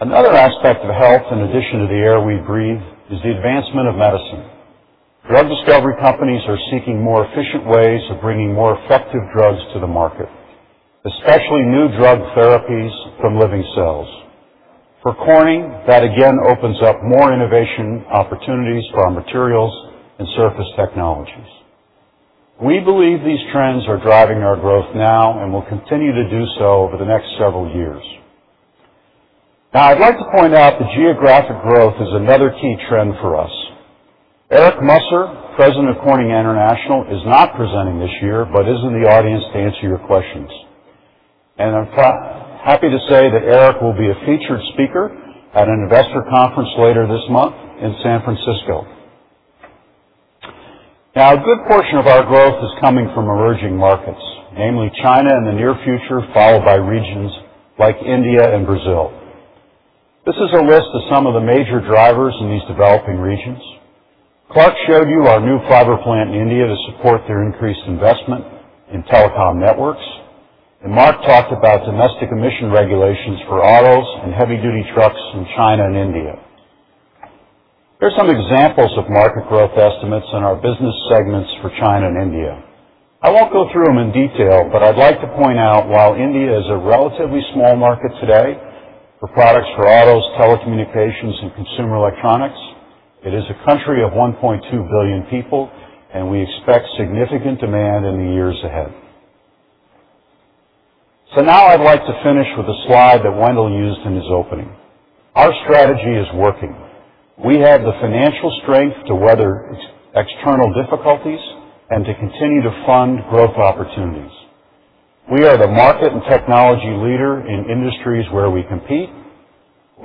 Another aspect of health, in addition to the air we breathe, is the advancement of medicine. Drug discovery companies are seeking more efficient ways of bringing more effective drugs to the market, especially new drug therapies from living cells. For Corning, that again opens up more innovation opportunities for our materials and surface technologies. We believe these trends are driving our growth now and will continue to do so over the next several years. Now, I'd like to point out that geographic growth is another key trend for us. Eric Musser, President of Corning International, is not presenting this year, but is in the audience to answer your questions. I'm happy to say that Eric will be a featured speaker at an investor conference later this month in San Francisco. Now, a good portion of our growth is coming from emerging markets, namely China in the near future, followed by regions like India and Brazil. This is a list of some of the major drivers in these developing regions. Clark showed you our new fiber plant in India to support their increased investment in telecom networks, and Mark talked about domestic emission regulations for autos and heavy-duty trucks in China and India. Here's some examples of market growth estimates in our business segments for China and India. I won't go through them in detail, but I'd like to point out, while India is a relatively small market today for products for autos, telecommunications, and consumer electronics, it is a country of 1.2 billion people, and we expect significant demand in the years ahead. Now I'd like to finish with a slide that Wendell used in his opening. Our strategy is working. We have the financial strength to weather external difficulties and to continue to fund growth opportunities. We are the market and technology leader in industries where we compete.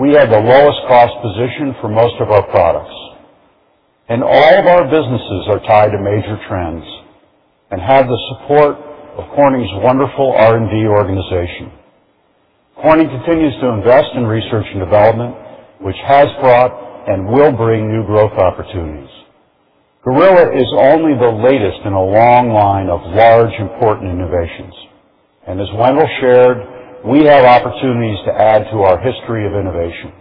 We have the lowest cost position for most of our products. All of our businesses are tied to major trends and have the support of Corning's wonderful R&D organization. Corning continues to invest in research and development, which has brought and will bring new growth opportunities. Gorilla is only the latest in a long line of large, important innovations. As Wendell shared, we have opportunities to add to our history of innovation.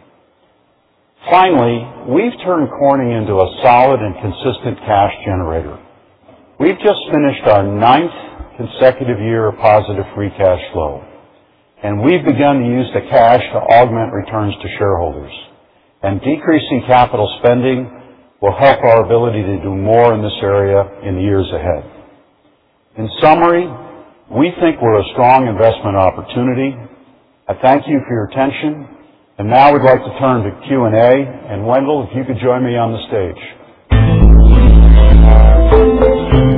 Finally, we've turned Corning into a solid and consistent cash generator. We've just finished our ninth consecutive year of positive free cash flow, and we've begun to use the cash to augment returns to shareholders. Decreasing capital spending will help our ability to do more in this area in the years ahead. In summary, we think we're a strong investment opportunity. I thank you for your attention, and now we'd like to turn to Q&A. Wendell, if you could join me on the stage.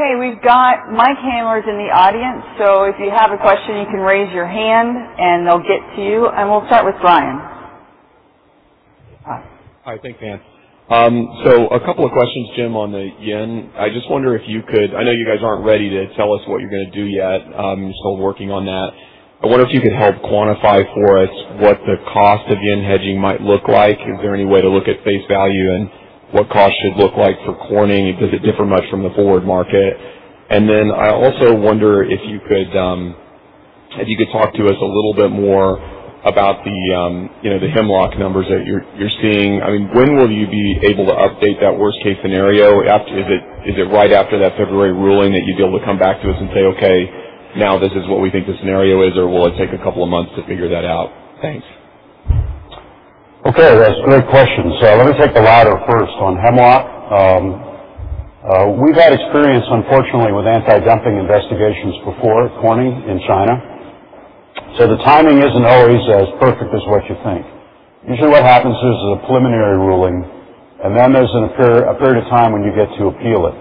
Okay, we've got mic handlers in the audience. If you have a question, you can raise your hand, and they'll get to you. We'll start with Brian. Hi. Thanks, Ann. A couple of questions, Jim, on the JPY. I know you guys aren't ready to tell us what you're going to do yet. You're still working on that. I wonder if you could help quantify for us what the cost of JPY hedging might look like. Is there any way to look at face value and what cost should look like for Corning? Does it differ much from the forward market? I also wonder if you could If you could talk to us a little bit more about the Hemlock numbers that you're seeing. When will you be able to update that worst-case scenario? Is it right after that February ruling that you'd be able to come back to us and say, "Okay, now this is what we think the scenario is," or will it take a couple of months to figure that out? Thanks. That's a great question. Let me take the latter first. On Hemlock, we've had experience, unfortunately, with anti-dumping investigations before, plenty, in China. The timing isn't always as perfect as what you think. Usually, what happens is a preliminary ruling, and then there's a period of time when you get to appeal it.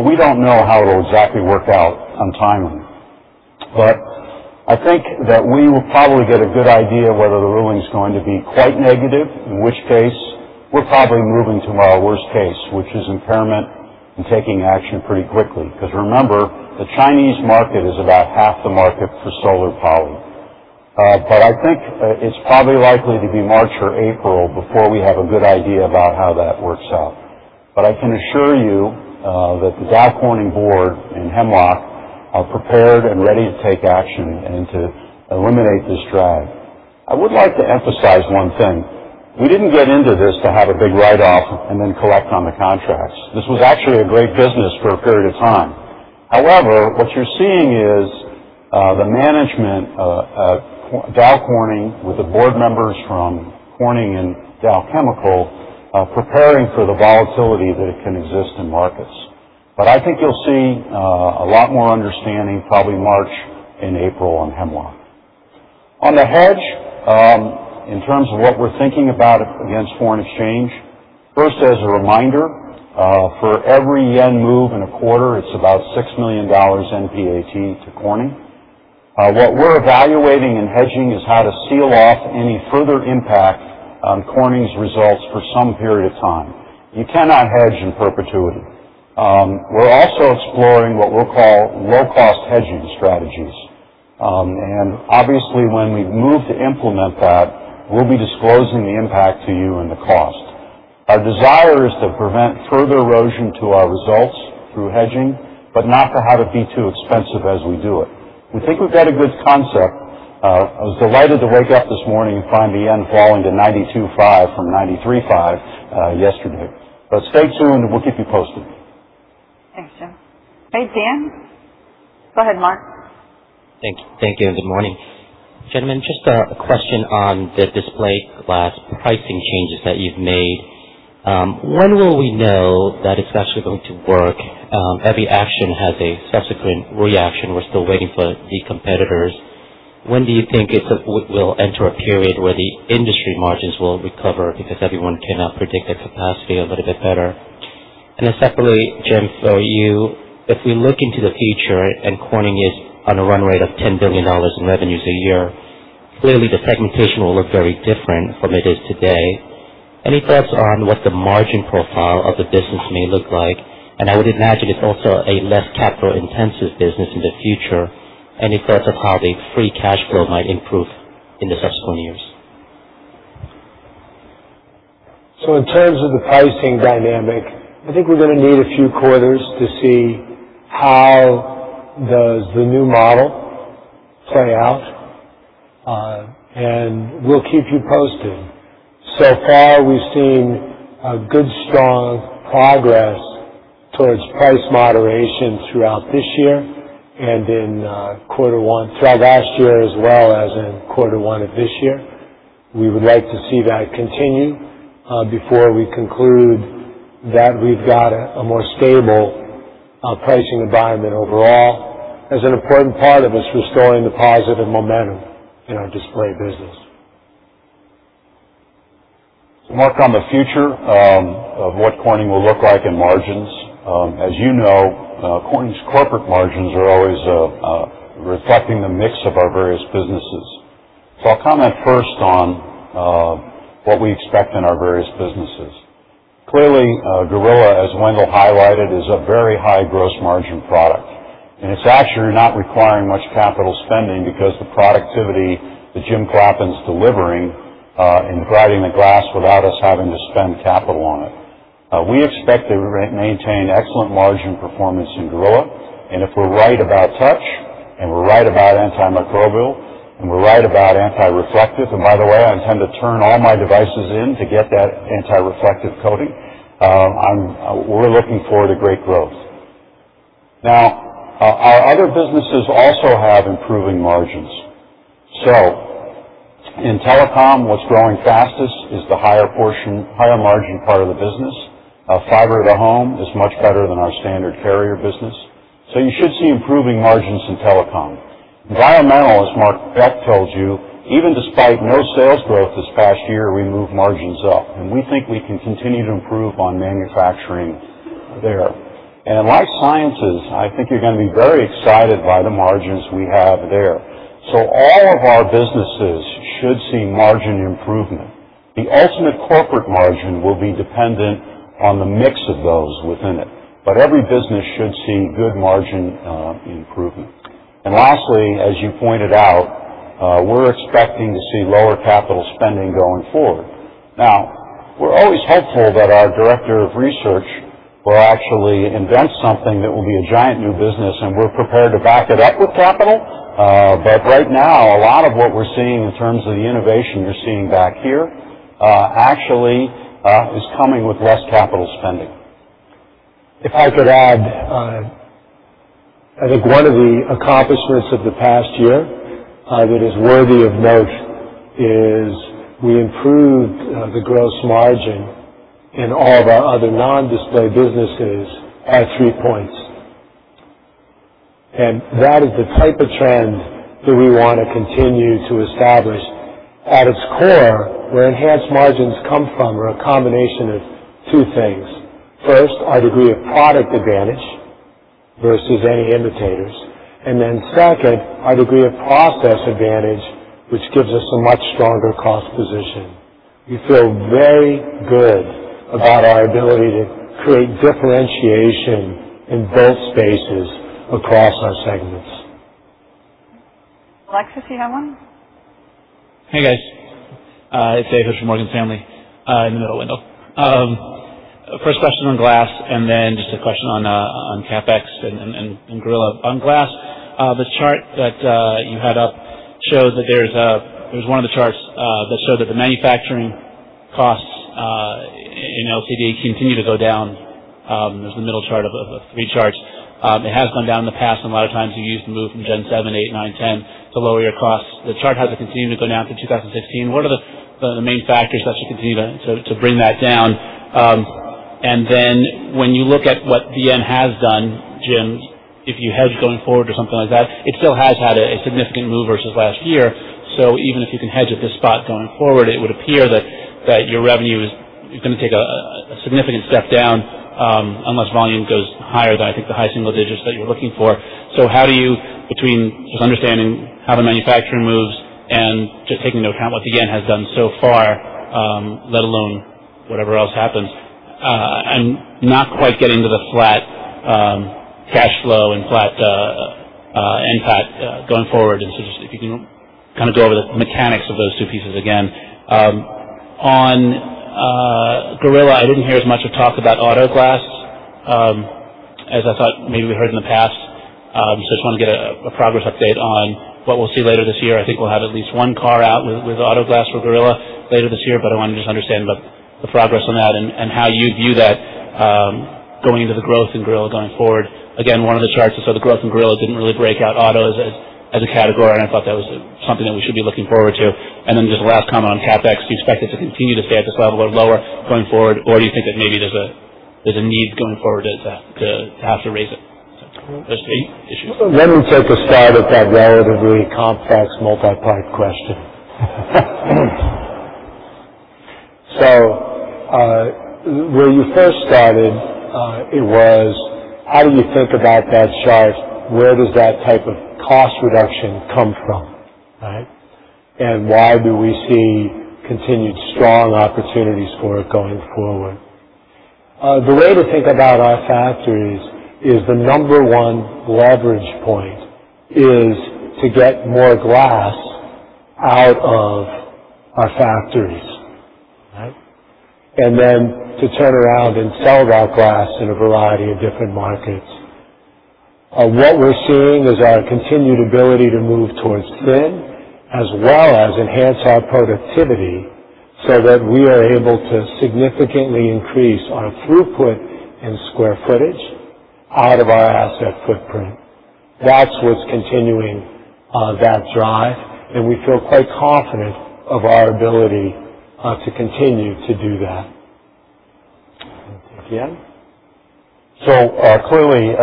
We don't know how it'll exactly work out on timing. I think that we will probably get a good idea of whether the ruling is going to be quite negative, in which case, we're probably moving to our worst case, which is impairment and taking action pretty quickly. Because remember, the Chinese market is about half the market for solar poly. I think it's probably likely to be March or April before we have a good idea about how that works out. I can assure you that the Dow Corning board and Hemlock are prepared and ready to take action and to eliminate this drag. I would like to emphasize one thing. We didn't get into this to have a big write-off and then collect on the contracts. This was actually a great business for a period of time. What you're seeing is the management of Dow Corning with the board members from Corning and Dow Chemical preparing for the volatility that can exist in markets. I think you'll see a lot more understanding, probably March and April on Hemlock. On the hedge, in terms of what we're thinking about against foreign exchange, first, as a reminder, for every yen move in a quarter, it's about $6 million NPAT to Corning. What we're evaluating in hedging is how to seal off any further impact on Corning's results for some period of time. You cannot hedge in perpetuity. We're also exploring what we'll call low-cost hedging strategies. Obviously, when we move to implement that, we'll be disclosing the impact to you and the cost. Our desire is to prevent further erosion to our results through hedging, but not to have it be too expensive as we do it. We think we've got a good concept. I was delighted to wake up this morning and find the yen falling to 92.5 from 93.5 yesterday. Stay tuned. We'll keep you posted. Thanks, Jim. Hey, Dan. Go ahead, Mark. Thank you. Good morning. Gentlemen, just a question on the display glass pricing changes that you've made. When will we know that it's actually going to work? Every action has a subsequent reaction. We're still waiting for the competitors. When do you think it will enter a period where the industry margins will recover because everyone cannot predict the capacity a little bit better? Separately, Jim, for you, if we look into the future and Corning is on a run rate of $10 billion in revenues a year, clearly the segmentation will look very different from it is today. Any thoughts on what the margin profile of the business may look like? I would imagine it's also a less capital-intensive business in the future. Any thoughts on how the free cash flow might improve in the subsequent years? In terms of the pricing dynamic, I think we're going to need a few quarters to see how does the new model play out. We'll keep you posted. So far, we've seen a good, strong progress towards price moderation throughout last year as well as in quarter one of this year. We would like to see that continue before we conclude that we've got a more stable pricing environment overall as an important part of us restoring the positive momentum in our display business. Mark, on the future of what Corning will look like in margins. As you know, Corning's corporate margins are always reflecting the mix of our various businesses. I'll comment first on what we expect in our various businesses. Clearly, Gorilla, as Wendell highlighted, is a very high gross margin product, and it's actually not requiring much capital spending because the productivity that Jim Clappin is delivering in providing the glass without us having to spend capital on it. We expect to maintain excellent margin performance in Gorilla. If we're right about touch, and we're right about antimicrobial, and we're right about anti-reflective, and by the way, I intend to turn all my devices in to get that anti-reflective coating, we're looking forward to great growth. Now, our other businesses also have improving margins. In Telecom, what's growing fastest is the higher portion, higher margin part of the business. Fiber to the home is much better than our standard carrier business. You should see improving margins in Telecom. Environmental, as Mark Beck told you, even despite no sales growth this past year, we moved margins up, and we think we can continue to improve on manufacturing there. Life Sciences, I think you're going to be very excited by the margins we have there. All of our businesses should see margin improvement. The ultimate corporate margin will be dependent on the mix of those within it, but every business should see good margin improvement. Lastly, as you pointed out, we're expecting to see lower capital spending going forward. Now, we're always hopeful that our director of research will actually invent something that will be a giant new business, and we're prepared to back it up with capital. Right now, a lot of what we're seeing in terms of the innovation you're seeing back here actually is coming with less capital spending. If I could add, I think one of the accomplishments of the past year that is worthy of note is we improved the gross margin in all of our other non-display businesses at 3 points. That is the type of trend that we want to continue to establish. At its core, where enhanced margins come from are a combination of 2 things. First, our degree of product advantage versus any imitators, second, our degree of process advantage, which gives us a much stronger cost position. We feel very good about our ability to create differentiation in both spaces across our segments. Alexis, you have one? Hey, guys. It's David from Morgan Stanley. In the middle window. First question on glass, then just a question on CapEx and Gorilla. On glass, the chart that you had up shows that there's one of the charts that show that the manufacturing costs in LCD continue to go down. It was the middle chart of the 3 charts. It has gone down in the past, and a lot of times you've used the move from Gen 7, 8, 9, 10 to lower your costs. The chart has it continuing to go down through 2016. What are the main factors that should continue to bring that down? When you look at what the yen has done, Jim, if you hedge going forward or something like that, it still has had a significant move versus last year. Even if you can hedge at this spot going forward, it would appear that your revenue is going to take a significant step down unless volume goes higher than, I think, the high single digits that you're looking for. How do you, between just understanding how the manufacturing moves and just taking into account what the yen has done so far, let alone whatever else happens, and not quite getting to the flat cash flow and flat NPAT going forward. Just if you can kind of go over the mechanics of those 2 pieces again. On Gorilla, I didn't hear as much of talk about auto glass as I thought maybe we heard in the past. I just want to get a progress update on what we'll see later this year. I think we'll have at least one car out with auto glass for Gorilla later this year. I want to just understand about the progress on that and how you view that going into the growth in Gorilla going forward. One of the charts that showed the growth in Gorilla didn't really break out autos as a category, and I thought that was something that we should be looking forward to. Just last comment on CapEx. Do you expect it to continue to stay at this level or lower going forward? Do you think that maybe there's a need going forward to have to raise it? Let me take a stab at that relatively complex multi-part question. Where you first started, it was how do you think about that chart? Where does that type of cost reduction come from, right? Why do we see continued strong opportunities for it going forward? The way to think about our factories is the number 1 leverage point is to get more glass out of our factories, right? To turn around and sell that glass in a variety of different markets. What we're seeing is our continued ability to move towards thin, as well as enhance our productivity so that we are able to significantly increase our throughput in square footage out of our asset footprint. That's what's continuing that drive, and we feel quite confident of our ability to continue to do that. Jim? Clearly,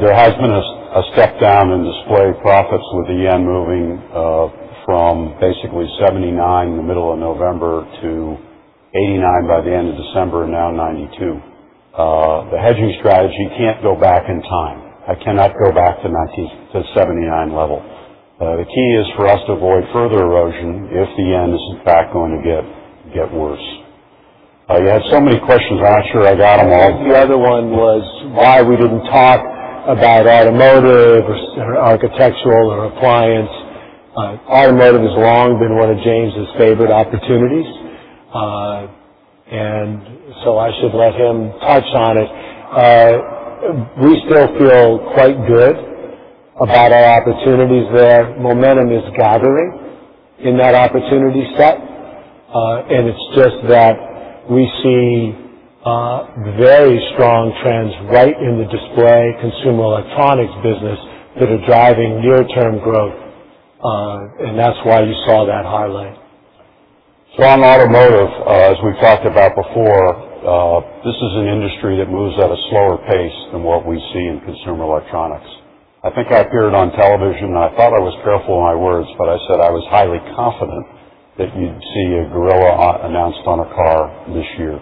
there has been a step down in display profits with the JPY moving from basically 79 in the middle of November to 89 by the end of December, and now 92. The hedging strategy can't go back in time. I cannot go back to the 79 level. The key is for us to avoid further erosion if the JPY is in fact going to get worse. You had so many questions, I'm not sure I got them all. The other one was why we didn't talk about automotive or architectural or appliance. Automotive has long been one of James' favorite opportunities. I should let him touch on it. We still feel quite good about our opportunities there. Momentum is gathering in that opportunity set. It's just that we see very strong trends right in the display consumer electronics business that are driving near-term growth. That's why you saw that highlight. On automotive, as we've talked about before, this is an industry that moves at a slower pace than what we see in consumer electronics. I think I appeared on television, and I thought I was careful in my words, but I said I was highly confident that you'd see a Gorilla announced on a car this year.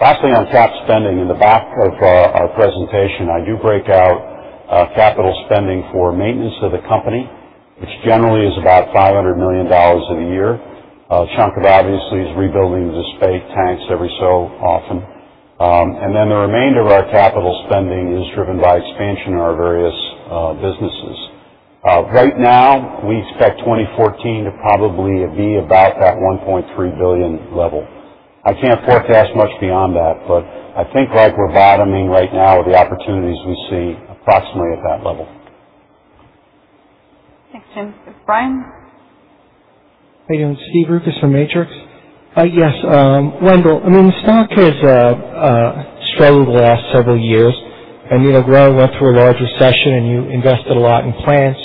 Lastly, on cap spending. In the back of our presentation, I do break out capital spending for maintenance of the company, which generally is about $500 million in a year. A chunk of it, obviously, is rebuilding the spade tanks every so often. The remainder of our capital spending is driven by expansion in our various businesses. Right now, we expect 2014 to probably be about that $1.3 billion level. I can't forecast much beyond that, I think like we're bottoming right now with the opportunities we see approximately at that level. Thanks, Jim. Brian? Hey. Steven Rubik from Matrix. Yes, Wendell, the stock has struggled the last several years. Growing went through a large recession, and you invested a lot in plants.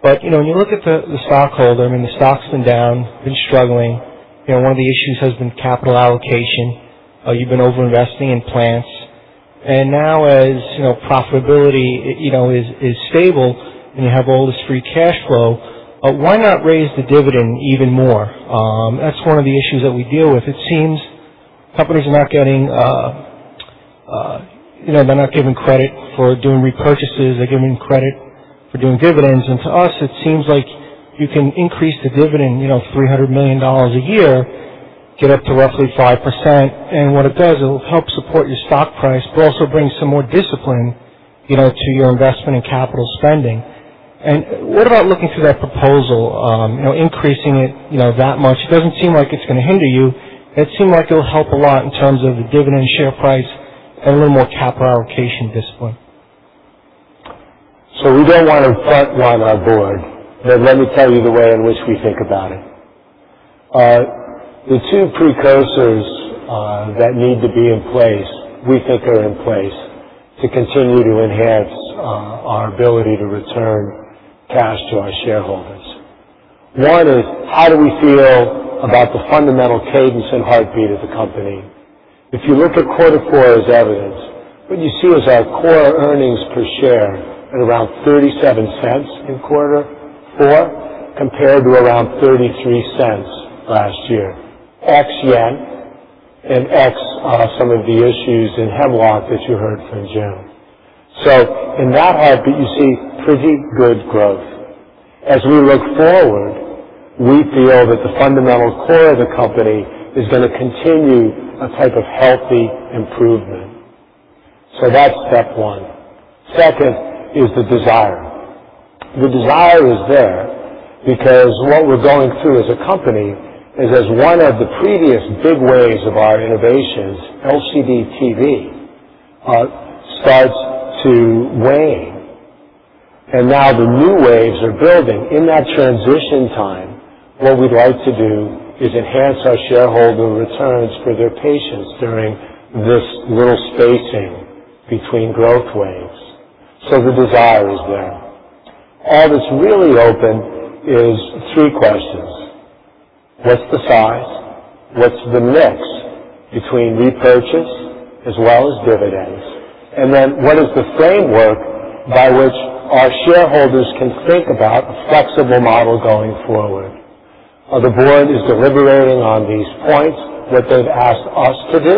When you look at the stockholder, the stock's been down, been struggling. One of the issues has been capital allocation. You've been over-investing in plants. Now as profitability is stable and you have all this free cash flow, why not raise the dividend even more? That's one of the issues that we deal with. It seems companies are not given credit for doing repurchases. They're given credit for doing dividends. To us, it seems like you can increase the dividend $300 million a year, get up to roughly 5%. What it does, it'll help support your stock price, but also bring some more discipline to your investment in capital spending. What about looking through that proposal, increasing it that much? It doesn't seem like it's going to hinder you. It seems like it will help a lot in terms of the dividend share price and a little more capital allocation discipline. We don't want to front-run our board. Let me tell you the way in which we think about it. The two precursors that need to be in place, we think are in place to continue to enhance our ability to return cash to our shareholders. One is, how do we feel about the fundamental cadence and heartbeat of the company? If you look at quarter four as evidence, what you see is our core earnings per share at around $0.37 in quarter four, compared to around $0.33 last year. Ex JPY and ex some of the issues in Hemlock that you heard from Jim. In that heartbeat, you see pretty good growth. As we look forward, we feel that the fundamental core of the company is going to continue a type of healthy improvement. That's step one. Second is the desire. The desire is there because what we're going through as a company is as one of the previous big waves of our innovations, LCD TV, starts to wane. Now the new waves are building. In that transition time, what we'd like to do is enhance our shareholder returns for their patience during this little spacing between growth waves. The desire is there. All that's really open is three questions. What's the size? What's the mix between repurchase as well as dividends? What is the framework by which our shareholders can think about a flexible model going forward? The board is deliberating on these points. What they've asked us to do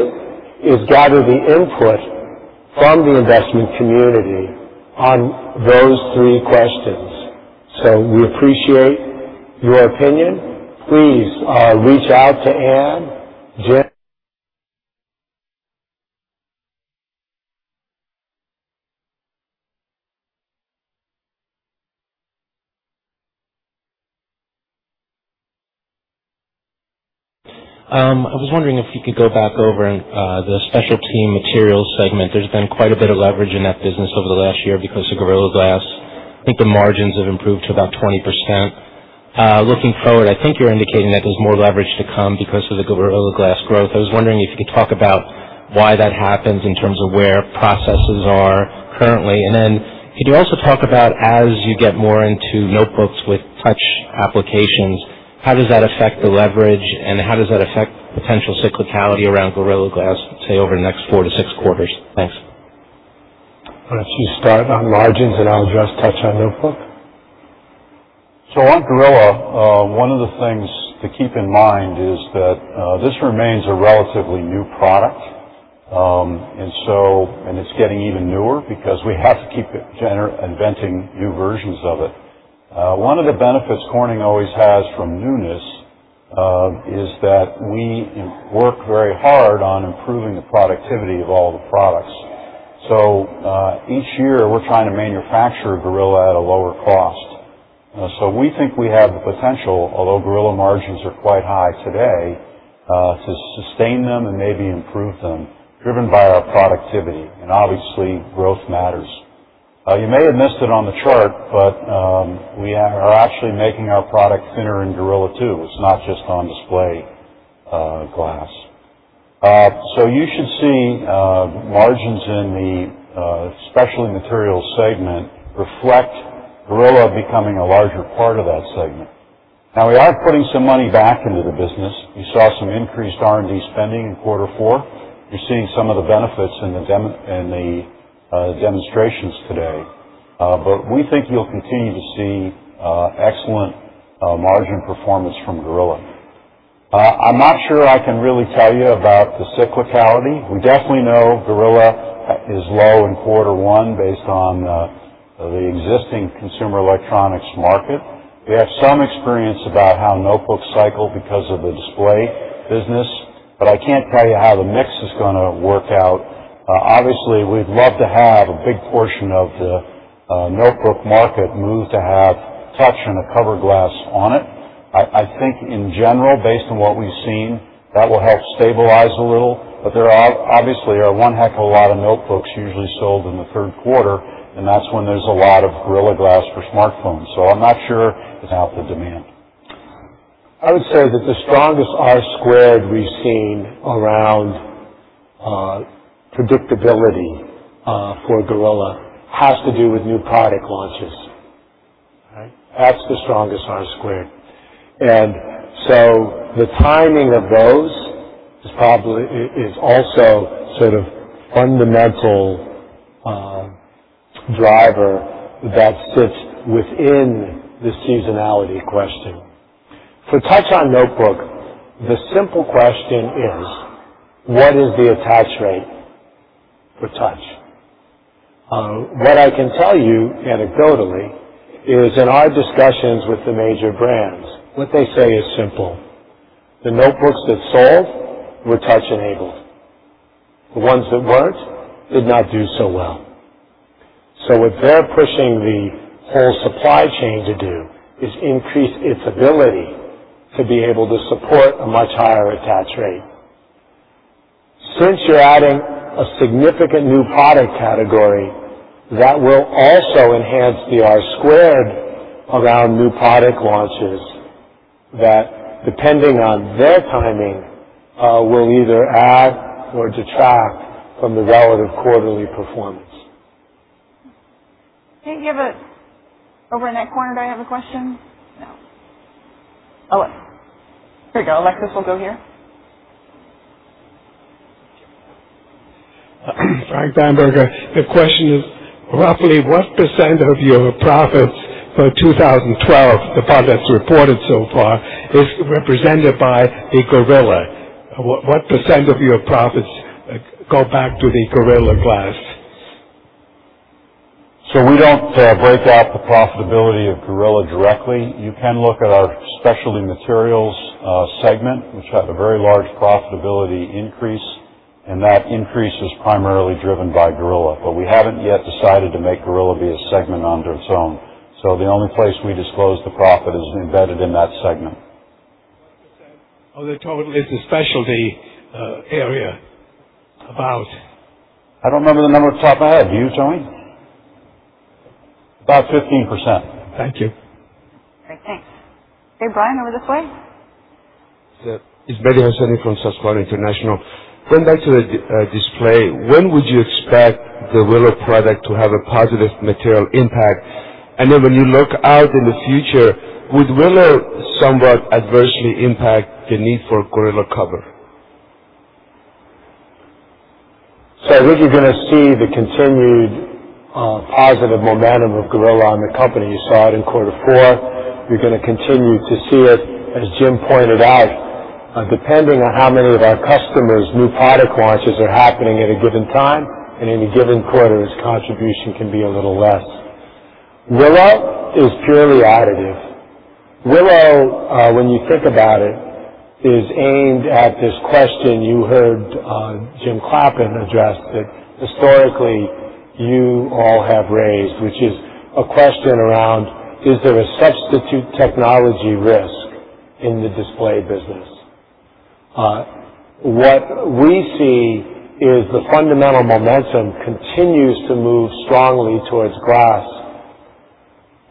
is gather the input from the investment community on those three questions. We appreciate your opinion. Please reach out to Ann. I was wondering if you could go back over the Specialty Materials segment. There's been quite a bit of leverage in that business over the last year because of Gorilla Glass. I think the margins have improved to about 20%. Looking forward, I think you're indicating that there's more leverage to come because of the Gorilla Glass growth. I was wondering if you could talk about why that happens in terms of where processes are currently. Could you also talk about as you get more into notebooks with touch applications, how does that affect the leverage, and how does that affect potential cyclicality around Gorilla Glass, say, over the next four to six quarters? Thanks. Why don't you start on margins, and I'll address touch on notebook. On Gorilla, one of the things to keep in mind is that this remains a relatively new product. It's getting even newer because we have to keep inventing new versions of it. One of the benefits Corning always has from newness, is that we work very hard on improving the productivity of all the products. Each year, we're trying to manufacture Gorilla at a lower cost. We think we have the potential, although Gorilla margins are quite high today, to sustain them and maybe improve them driven by our productivity. Obviously, growth matters. You may have missed it on the chart, but we are actually making our product thinner in Gorilla 2. It's not just on display glass. You should see margins in the Specialty Materials segment reflect Gorilla becoming a larger part of that segment. Now we are putting some money back into the business. You saw some increased R&D spending in quarter four. You're seeing some of the benefits in the demonstrations today. We think you'll continue to see excellent margin performance from Gorilla. I'm not sure I can really tell you about the cyclicality. We definitely know Gorilla is low in quarter one based on the existing consumer electronics market. We have some experience about how notebooks cycle because of the display business, but I can't tell you how the mix is going to work out. Obviously, we'd love to have a big portion of the notebook market move to have touch and a cover glass on it. I think in general, based on what we've seen, that will help stabilize a little. There obviously are one heck of a lot of notebooks usually sold in the third quarter, and that's when there's a lot of Gorilla Glass for smartphones. I'm not sure about the demand. I would say that the strongest R-squared we've seen around predictability for Gorilla has to do with new product launches. That's the strongest R-squared. The timing of those is also sort of fundamental driver that sits within the seasonality question. For touch on notebook, the simple question is: what is the attach rate for touch? What I can tell you anecdotally is in our discussions with the major brands, what they say is simple. The notebooks that sold were touch-enabled. The ones that weren't, did not do so well. What they're pushing the whole supply chain to do is increase its ability to be able to support a much higher attach rate. Since you're adding a significant new product category, that will also enhance the R-squared around new product launches that, depending on their timing, will either add or detract from the relative quarterly performance. Over in that corner, did I have a question? No. Oh, wait. Here you go. Alexis, we'll go here. Frank Bamberger. The question is, roughly what % of your profits for 2012, the part that's reported so far, is represented by the Gorilla? What % of your profits go back to the Gorilla Glass? We don't break out the profitability of Gorilla directly. You can look at our Specialty Materials segment, which had a very large profitability increase, and that increase is primarily driven by Gorilla. We haven't yet decided to make Gorilla be a segment onto its own. The only place we disclose the profit is embedded in that segment. What % of the total is the Specialty area about? I don't remember the number off the top of my head. Do you, Tony? About 15%. Thank you. Great. Thanks. Okay, Brian, over this way. Yeah. It's Mehdi Hosseini from Susquehanna Financial Group. Going back to the display, when would you expect the Willow Glass to have a positive material impact? When you look out in the future, would Willow somewhat adversely impact the need for Gorilla Glass? I think you're going to see the continued positive momentum of Gorilla on the company. You saw it in quarter four. You're going to continue to see it, as Jim pointed out, depending on how many of our customers' new product launches are happening at a given time and in a given quarter, its contribution can be a little less. Willow is purely additive. Willow, when you think about it, is aimed at this question you heard Jim Clappin address, that historically you all have raised, which is a question around, is there a substitute technology risk in the display business? What we see is the fundamental momentum continues to move strongly towards glass.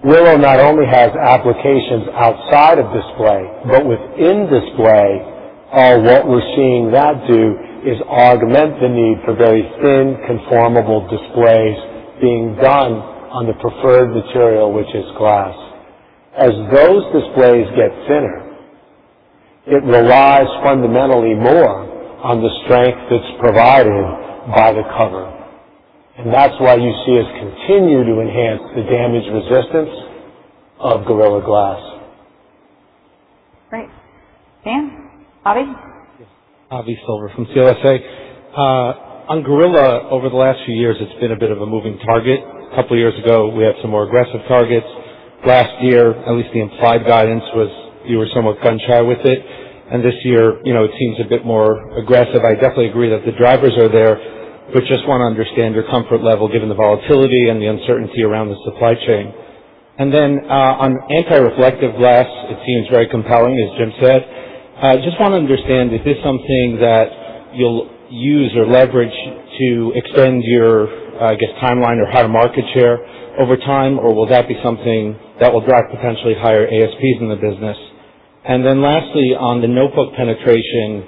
Willow not only has applications outside of display, but within display, what we're seeing that do is augment the need for very thin conformable displays being done on the preferred material, which is glass. As those displays get thinner, it relies fundamentally more on the strength that's provided by the cover. That's why you see us continue to enhance the damage resistance of Gorilla Glass. Great. Dan? Avi? Yes. Avi Silver from CLSA. On Gorilla, over the last few years, it's been a bit of a moving target. A couple of years ago, we had some more aggressive targets. Last year, at least the implied guidance was you were somewhat gun-shy with it. This year, it seems a bit more aggressive. I definitely agree that the drivers are there, but just want to understand your comfort level given the volatility and the uncertainty around the supply chain. Then on anti-reflective glass, it seems very compelling, as Jim said. I just want to understand, is this something that you'll use or leverage to extend your, I guess, timeline or higher market share over time, or will that be something that will drive potentially higher ASPs in the business? Lastly, on the notebook penetration,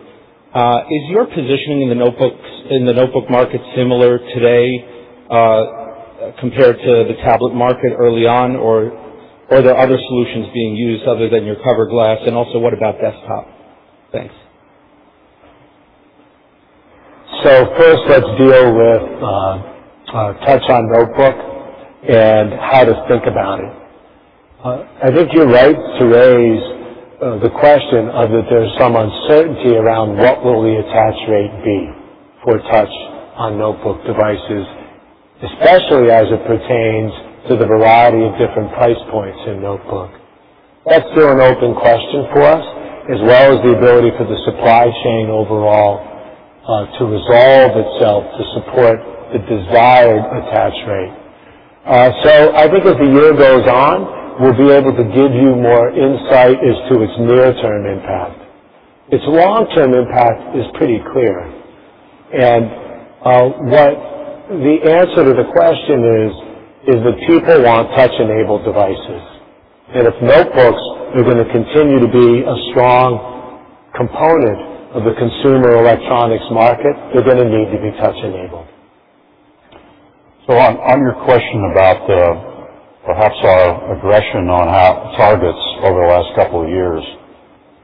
is your positioning in the notebook market similar today compared to the tablet market early on, or are there other solutions being used other than your cover glass? What about desktop? Thanks. First, let's deal with touch on notebook and how to think about it. I think you're right to raise the question of that there's some uncertainty around what will the attach rate be for touch on notebook devices, especially as it pertains to the variety of different price points in notebook. That's still an open question for us, as well as the ability for the supply chain overall to resolve itself to support the desired attach rate. I think as the year goes on, we'll be able to give you more insight as to its near-term impact. Its long-term impact is pretty clear. What the answer to the question is that people want touch-enabled devices. If notebooks are going to continue to be a strong component of the consumer electronics market, they're going to need to be touch-enabled. On your question about perhaps our aggression on targets over the last couple of years,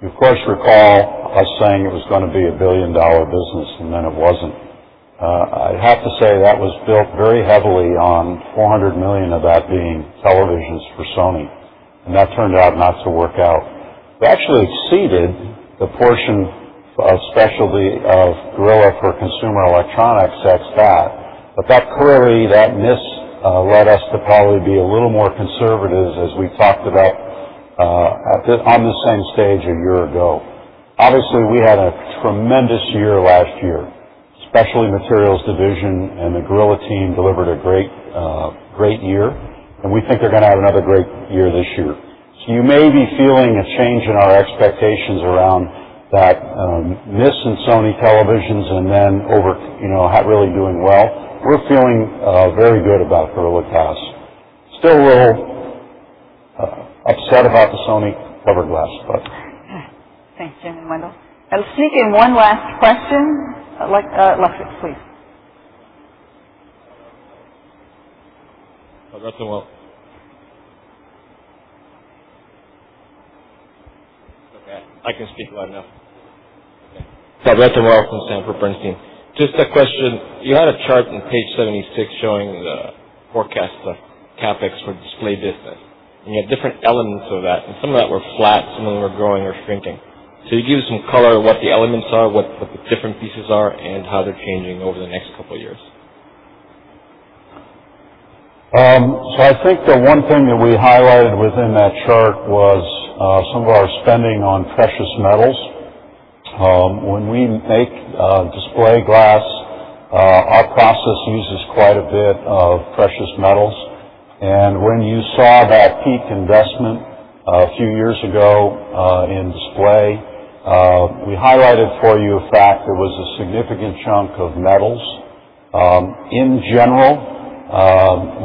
you of course recall us saying it was going to be a billion-dollar business, and then it wasn't. I have to say that was built very heavily on $400 million of that being televisions for Sony, and that turned out not to work out. We actually exceeded the portion of specialty of Gorilla for consumer electronics. That's that. That query, that miss led us to probably be a little more conservative as we talked about on the same stage a year ago. Obviously, we had a tremendous year last year. Specialty Materials division and the Gorilla team delivered a great year, and we think they're going to have another great year this year. You may be feeling a change in our expectations around that miss in Sony televisions and then not really doing well. We're feeling very good about Gorilla Glass. Still a little upset about the Sony cover glass, but Thanks, Jim and Wendell. I'll sneak in one last question. Alexis, please. Alexis Walt. It's okay. I can speak loud enough. Fabrice de Walt from Sanford Bernstein. Just a question. You had a chart on page 76 showing the forecast of CapEx for display business, you had different elements of that, some of that were flat, some of them were growing or shrinking. You give some color of what the elements are, what the different pieces are, and how they're changing over the next couple of years. I think the one thing that we highlighted within that chart was some of our spending on precious metals. When we make display glass, our process uses quite a bit of precious metals. When you saw that peak investment a few years ago in display, we highlighted for you a fact there was a significant chunk of metals. In general,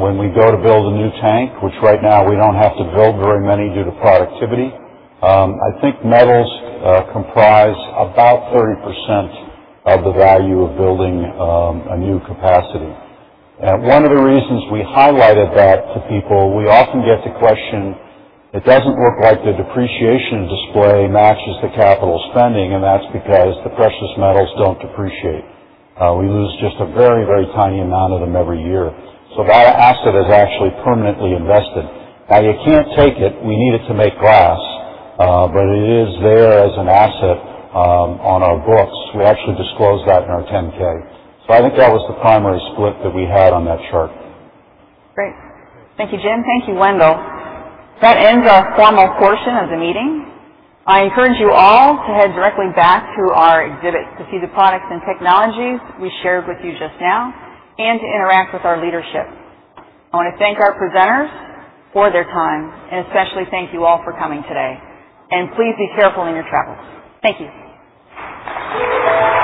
when we go to build a new tank, which right now we don't have to build very many due to productivity, I think metals comprise about 30% of the value of building a new capacity. One of the reasons we highlighted that to people, we often get the question, it doesn't look like the depreciation display matches the capital spending, and that's because the precious metals don't depreciate. We lose just a very tiny amount of them every year. That asset is actually permanently invested. You can't take it. We need it to make glass, but it is there as an asset on our books. We actually disclose that in our 10-K. I think that was the primary split that we had on that chart. Great. Thank you, Jim. Thank you, Wendell. That ends our formal portion of the meeting. I encourage you all to head directly back to our exhibit to see the products and technologies we shared with you just now and to interact with our leadership. I want to thank our presenters for their time, and especially thank you all for coming today. Please be careful in your travels. Thank you.